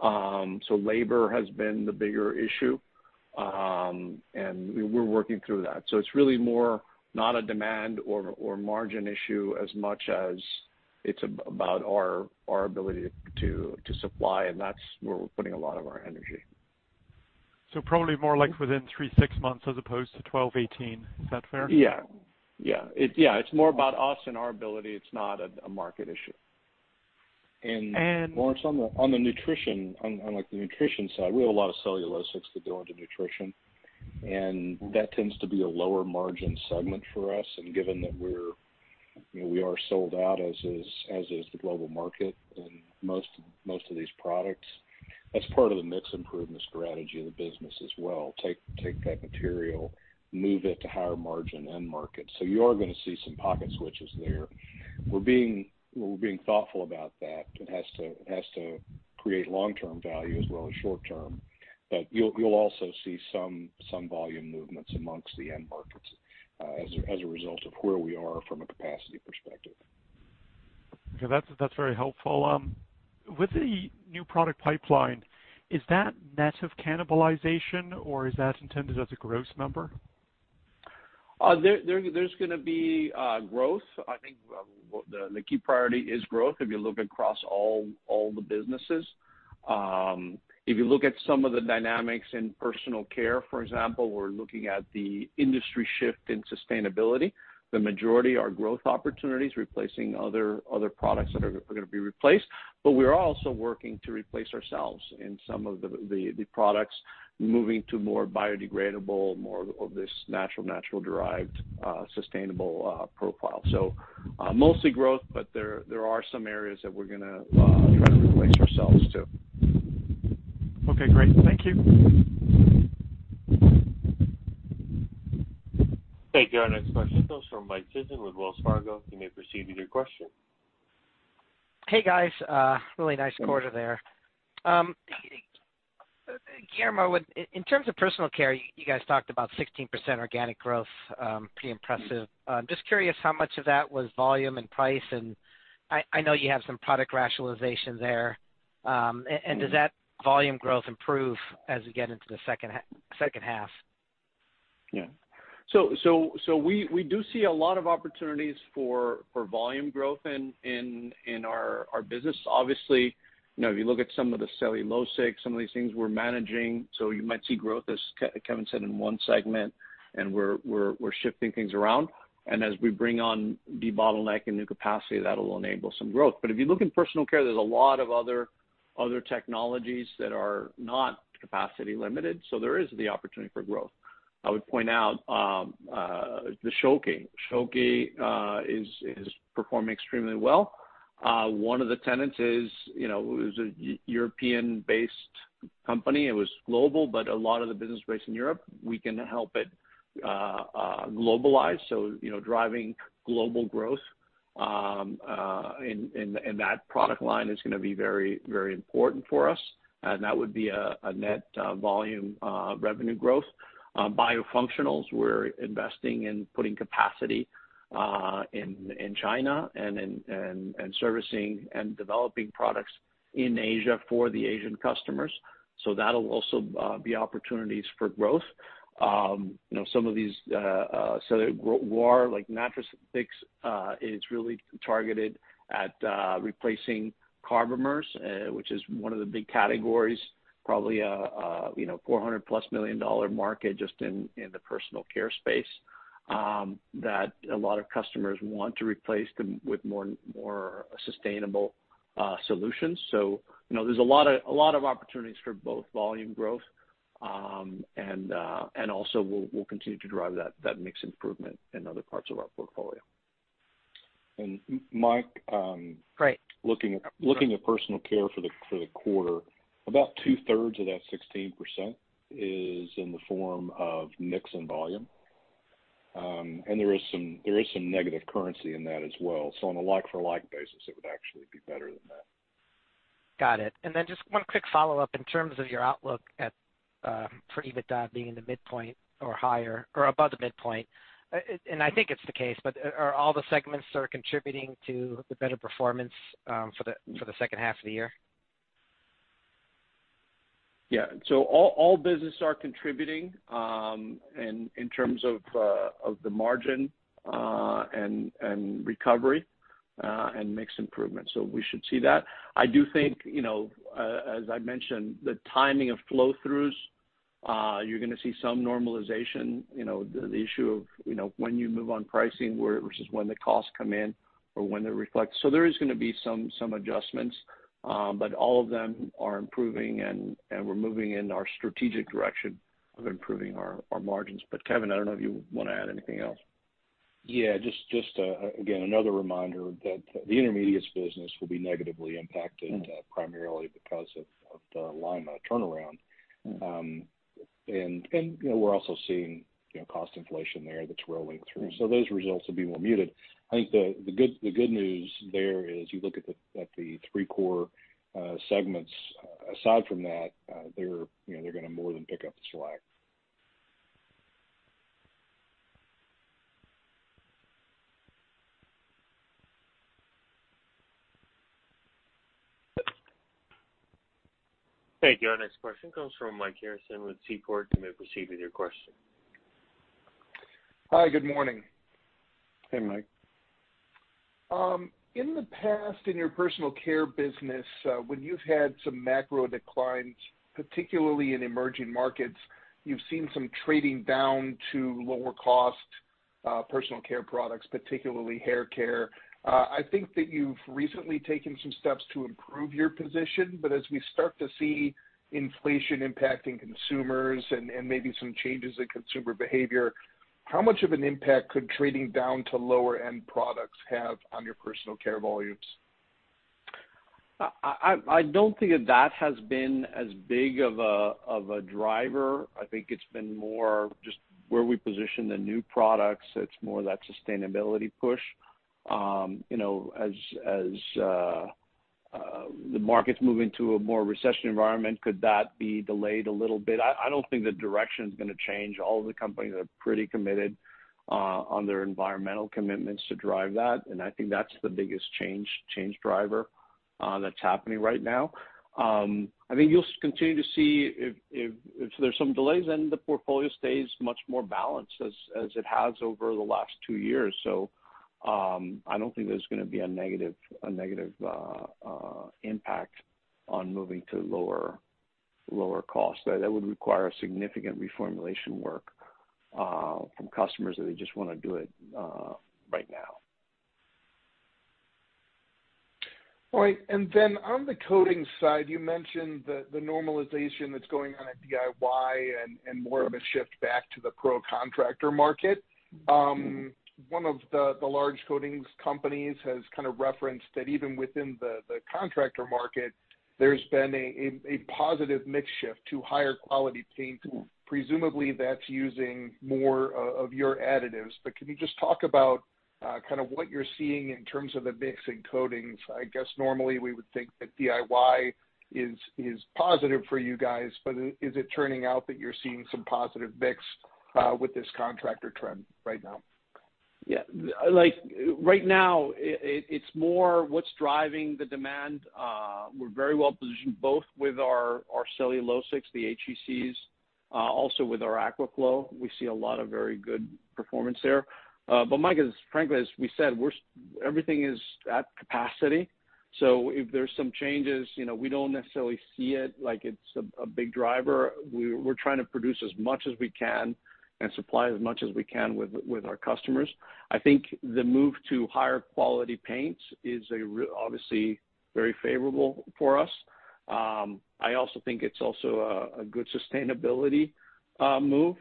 so labor has been the bigger issue, and we're working through that. It's really more not a demand or margin issue as much as it's about our ability to supply, and that's where we're putting a lot of our energy. Probably more like within three-six months as opposed to 12-18. Is that fair? Yeah, it's more about us and our ability. It's not a market issue. Laurence, on the nutrition side, we have a lot of cellulosics that go into nutrition, and that tends to be a lower margin segment for us. Given that we're, you know, we are sold out as is, as is the global market in most of these products, that's part of the mix improvement strategy of the business as well. Take that material, move it to higher margin end markets. You are gonna see some product switches there. We're being thoughtful about that. It has to create long-term value as well as short-term. You'll also see some volume movements among the end markets, as a result of where we are from a capacity perspective. Okay, that's very helpful. With the new product pipeline, is that net of cannibalization or is that intended as a gross number? There's gonna be growth. I think the key priority is growth if you look across all the businesses. If you look at some of the dynamics in Personal Care, for example, we're looking at the industry shift in sustainability. The majority are growth opportunities replacing other products that are gonna be replaced. We are also working to replace ourselves in some of the products moving to more biodegradable, more of this natural derived sustainable profile. Mostly growth, but there are some areas that we're gonna try to replace ourselves too. Okay, great. Thank you. Thank you. Our next question comes from Mike Sison with Wells Fargo. You may proceed with your question. Hey, guys. Really nice quarter there. Guillermo, in terms of Personal Care, you guys talked about 16% organic growth, pretty impressive. Just curious how much of that was volume and price, and I know you have some product rationalization there. Does that volume growth improve as we get into the second half? Yeah. We do see a lot of opportunities for volume growth in our business. Obviously, you know, if you look at some of the cellulosics, some of these things we're managing, so you might see growth, as Kevin said, in one segment and we're shifting things around. As we bring on debottleneck and new capacity, that'll enable some growth. If you look in Personal Care, there's a lot of other technologies that are not capacity limited, so there is the opportunity for growth. I would point out the Schülke. Schülke is performing extremely well. One of the tenets is, you know, it was a European-based company. It was global, but a lot of the business based in Europe, we can help it globalize. You know, driving global growth in that product line is gonna be very, very important for us, and that would be a net volume revenue growth. Biofunctionals, we're investing in putting capacity in China and servicing and developing products in Asia for the Asian customers. That'll also be opportunities for growth. You know, some of these, like Natrathix, is really targeted at replacing carbomers, which is one of the big categories, probably a $400+ million market just in the Personal Care space, that a lot of customers want to replace them with more sustainable solutions, you know, there's a lot of opportunities for both volume growth, and also we'll continue to drive that mix improvement in other parts of our portfolio. Mike, Great. Looking at Personal Care for the quarter, about two-thirds of that 16% is in the form of mix and volume. There is some negative currency in that as well. On a like-for-like basis, it would actually be better than that. Got it. Just one quick follow-up in terms of your outlook for EBITDA being in the midpoint or higher or above the midpoint. I think it's the case, but are all the segments contributing to the better performance for the second half of the year? All businesses are contributing in terms of the margin and recovery and mix improvement. We should see that. I do think, you know, as I mentioned, the timing of flow-throughs. You're gonna see some normalization. You know, the issue of, you know, when you move on pricing, which is when the costs come in or when they reflect. There is gonna be some adjustments, but all of them are improving and we're moving in our strategic direction of improving our margins. Kevin, I don't know if you wanna add anything else. Yeah, just again, another reminder that the Intermediates business will be negatively impacted, primarily because of the Lima turnaround. You know, we're also seeing you know cost inflation there that's rolling through. Those results will be more muted. I think the good news there is you look at the three core segments. Aside from that, they're you know gonna more than pick up the slack. Thank you. Our next question comes from Mike Harrison with Seaport. You may proceed with your question. Hi, good morning. Hey, Mike. In the past, in your Personal Care business, when you've had some macro declines, particularly in emerging markets, you've seen some trading down to lower cost Personal Care products, particularly hair care. I think that you've recently taken some steps to improve your position, but as we start to see inflation impacting consumers and maybe some changes in consumer behavior, how much of an impact could trading down to lower end products have on your Personal Care volumes? I don't think that has been as big of a driver. I think it's been more just where we position the new products. It's more that sustainability push. You know, as the market's moving to a more recession environment, could that be delayed a little bit? I don't think the direction's gonna change. All of the companies are pretty committed on their environmental commitments to drive that, and I think that's the biggest change driver that's happening right now. I think you'll continue to see, if there's some delays, and the portfolio stays much more balanced as it has over the last two years. I don't think there's gonna be a negative impact on moving to lower costs. That would require significant reformulation work from customers that they just wanna do it right now. All right. On the coatings side, you mentioned the normalization that's going on at DIY and more of a shift back to the pro contractor market. One of the large coatings companies has kind of referenced that even within the contractor market, there's been a positive mix shift to higher quality paint. Presumably, that's using more of your additives. Can you just talk about kind of what you're seeing in terms of the mix in coatings? I guess normally we would think that DIY is positive for you guys, but is it turning out that you're seeing some positive mix with this contractor trend right now? Like, right now, it's more what's driving the demand. We're very well positioned both with our cellulosics, the HECs, also with our Aquaflow. We see a lot of very good performance there. Mike, as frankly as we said, we're seeing everything is at capacity. If there's some changes, you know, we don't necessarily see it like it's a big driver. We're trying to produce as much as we can and supply as much as we can with our customers. I think the move to higher quality paints is obviously very favorable for us. I also think it's also a good sustainability move.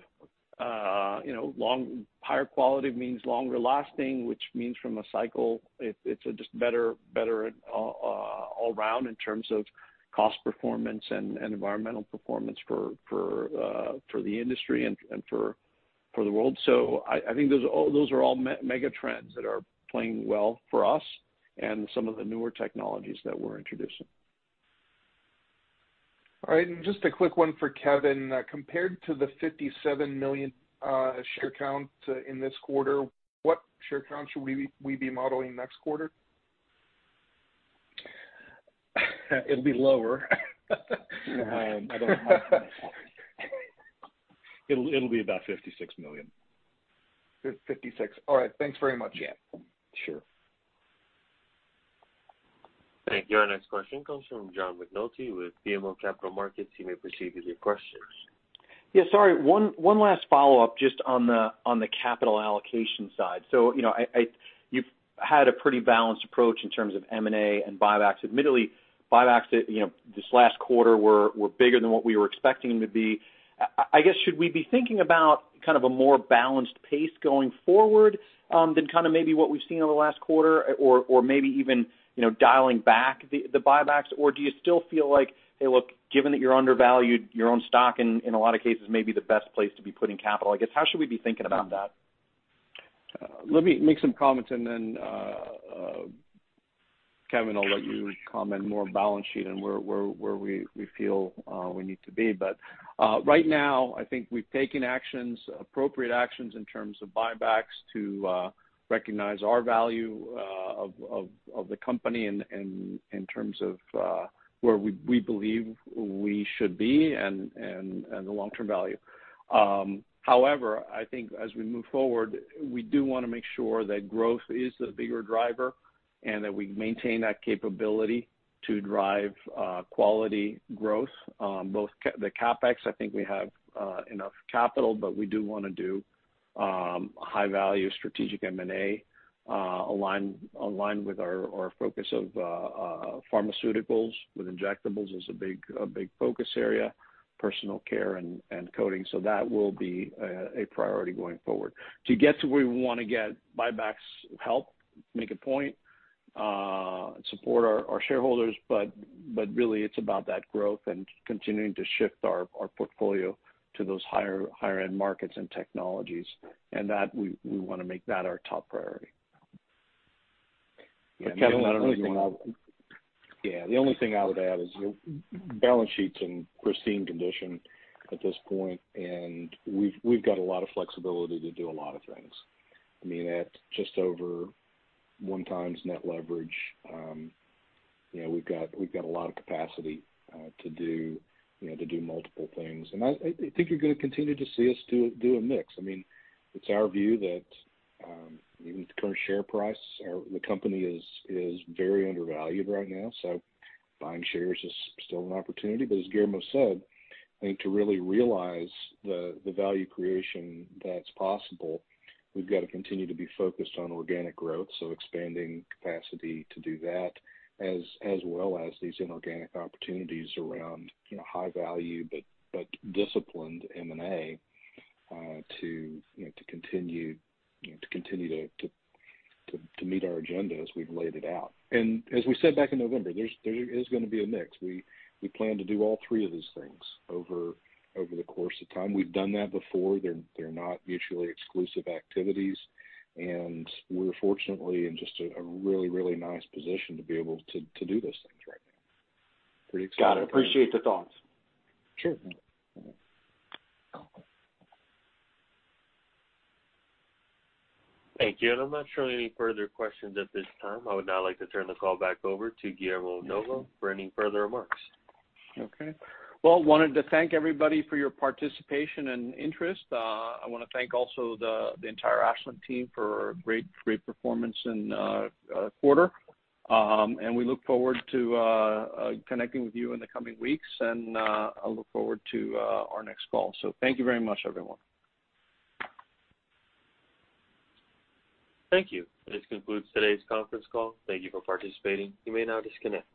You know, higher quality means longer lasting, which means from a cycle, it's just better all around in terms of cost performance and environmental performance for the industry and for the world. I think those are all mega trends that are playing well for us and some of the newer technologies that we're introducing. All right. Just a quick one for Kevin. Compared to the $57 million share count in this quarter, what share count should we be modeling next quarter? It'll be lower. I don't have that. It'll be about $56 million. 56. All right. Thanks very much. Yeah. Sure. Thank you. Our next question comes from John McNulty with BMO Capital Markets. You may proceed with your questions. Yeah. Sorry, one last follow-up just on the capital allocation side. You know, you've had a pretty balanced approach in terms of M&A and buybacks. Admittedly, buybacks, you know, this last quarter were bigger than what we were expecting them to be. I guess should we be thinking about kind of a more balanced pace going forward, than kind of maybe what we've seen over the last quarter or maybe even, you know, dialing back the buybacks? Or do you still feel like, hey, look, given that you're undervalued, your own stock in a lot of cases may be the best place to be putting capital? I guess, how should we be thinking about that? Let me make some comments, and then, Kevin, I'll let you comment more on balance sheet and where we feel we need to be. Right now, I think we've taken actions, appropriate actions in terms of buybacks to recognize our value of the company in terms of where we believe we should be and the long-term value. However, I think as we move forward, we do wanna make sure that growth is the bigger driver and that we maintain that capability to drive quality growth, both the CapEx. I think we have enough capital, but we do wanna do high value strategic M&A, aligned with our focus of pharmaceuticals with injectables is a big focus area, Personal Care and coating. That will be a priority going forward. To get to where we wanna get, buybacks help make a point, support our shareholders, but really it's about that growth and continuing to shift our portfolio to those higher end markets and technologies, and that we wanna make that our top priority. Kevin, the only thing I would. Yeah. The only thing I would add is your balance sheet's in pristine condition at this point, and we've got a lot of flexibility to do a lot of things. I mean, at just over 1x net leverage, you know, we've got a lot of capacity to do, you know, to do multiple things. I think you're gonna continue to see us do a mix. I mean, it's our view that, even with the current share price, the company is very undervalued right now, so buying shares is still an opportunity. As Guillermo said, I think to really realize the value creation that's possible, we've got to continue to be focused on organic growth, so expanding capacity to do that as well as these inorganic opportunities around, you know, high value, but disciplined M&A, to continue to meet our agenda as we've laid it out. As we said back in November, there is gonna be a mix. We plan to do all three of these things over the course of time. We've done that before. They're not mutually exclusive activities, and we're fortunately in just a really nice position to be able to do those things right now. Pretty excited. Got it. Appreciate the thoughts. Sure. Mm-hmm. Thank you. I'm not showing any further questions at this time. I would now like to turn the call back over to Guillermo Novo for any further remarks. Okay. Well, wanted to thank everybody for your participation and interest. I wanna thank also the entire Ashland team for a great performance in quarter. We look forward to connecting with you in the coming weeks, and I look forward to our next call. Thank you very much, everyone. Thank you. This concludes today's conference call. Thank you for participating. You may now disconnect.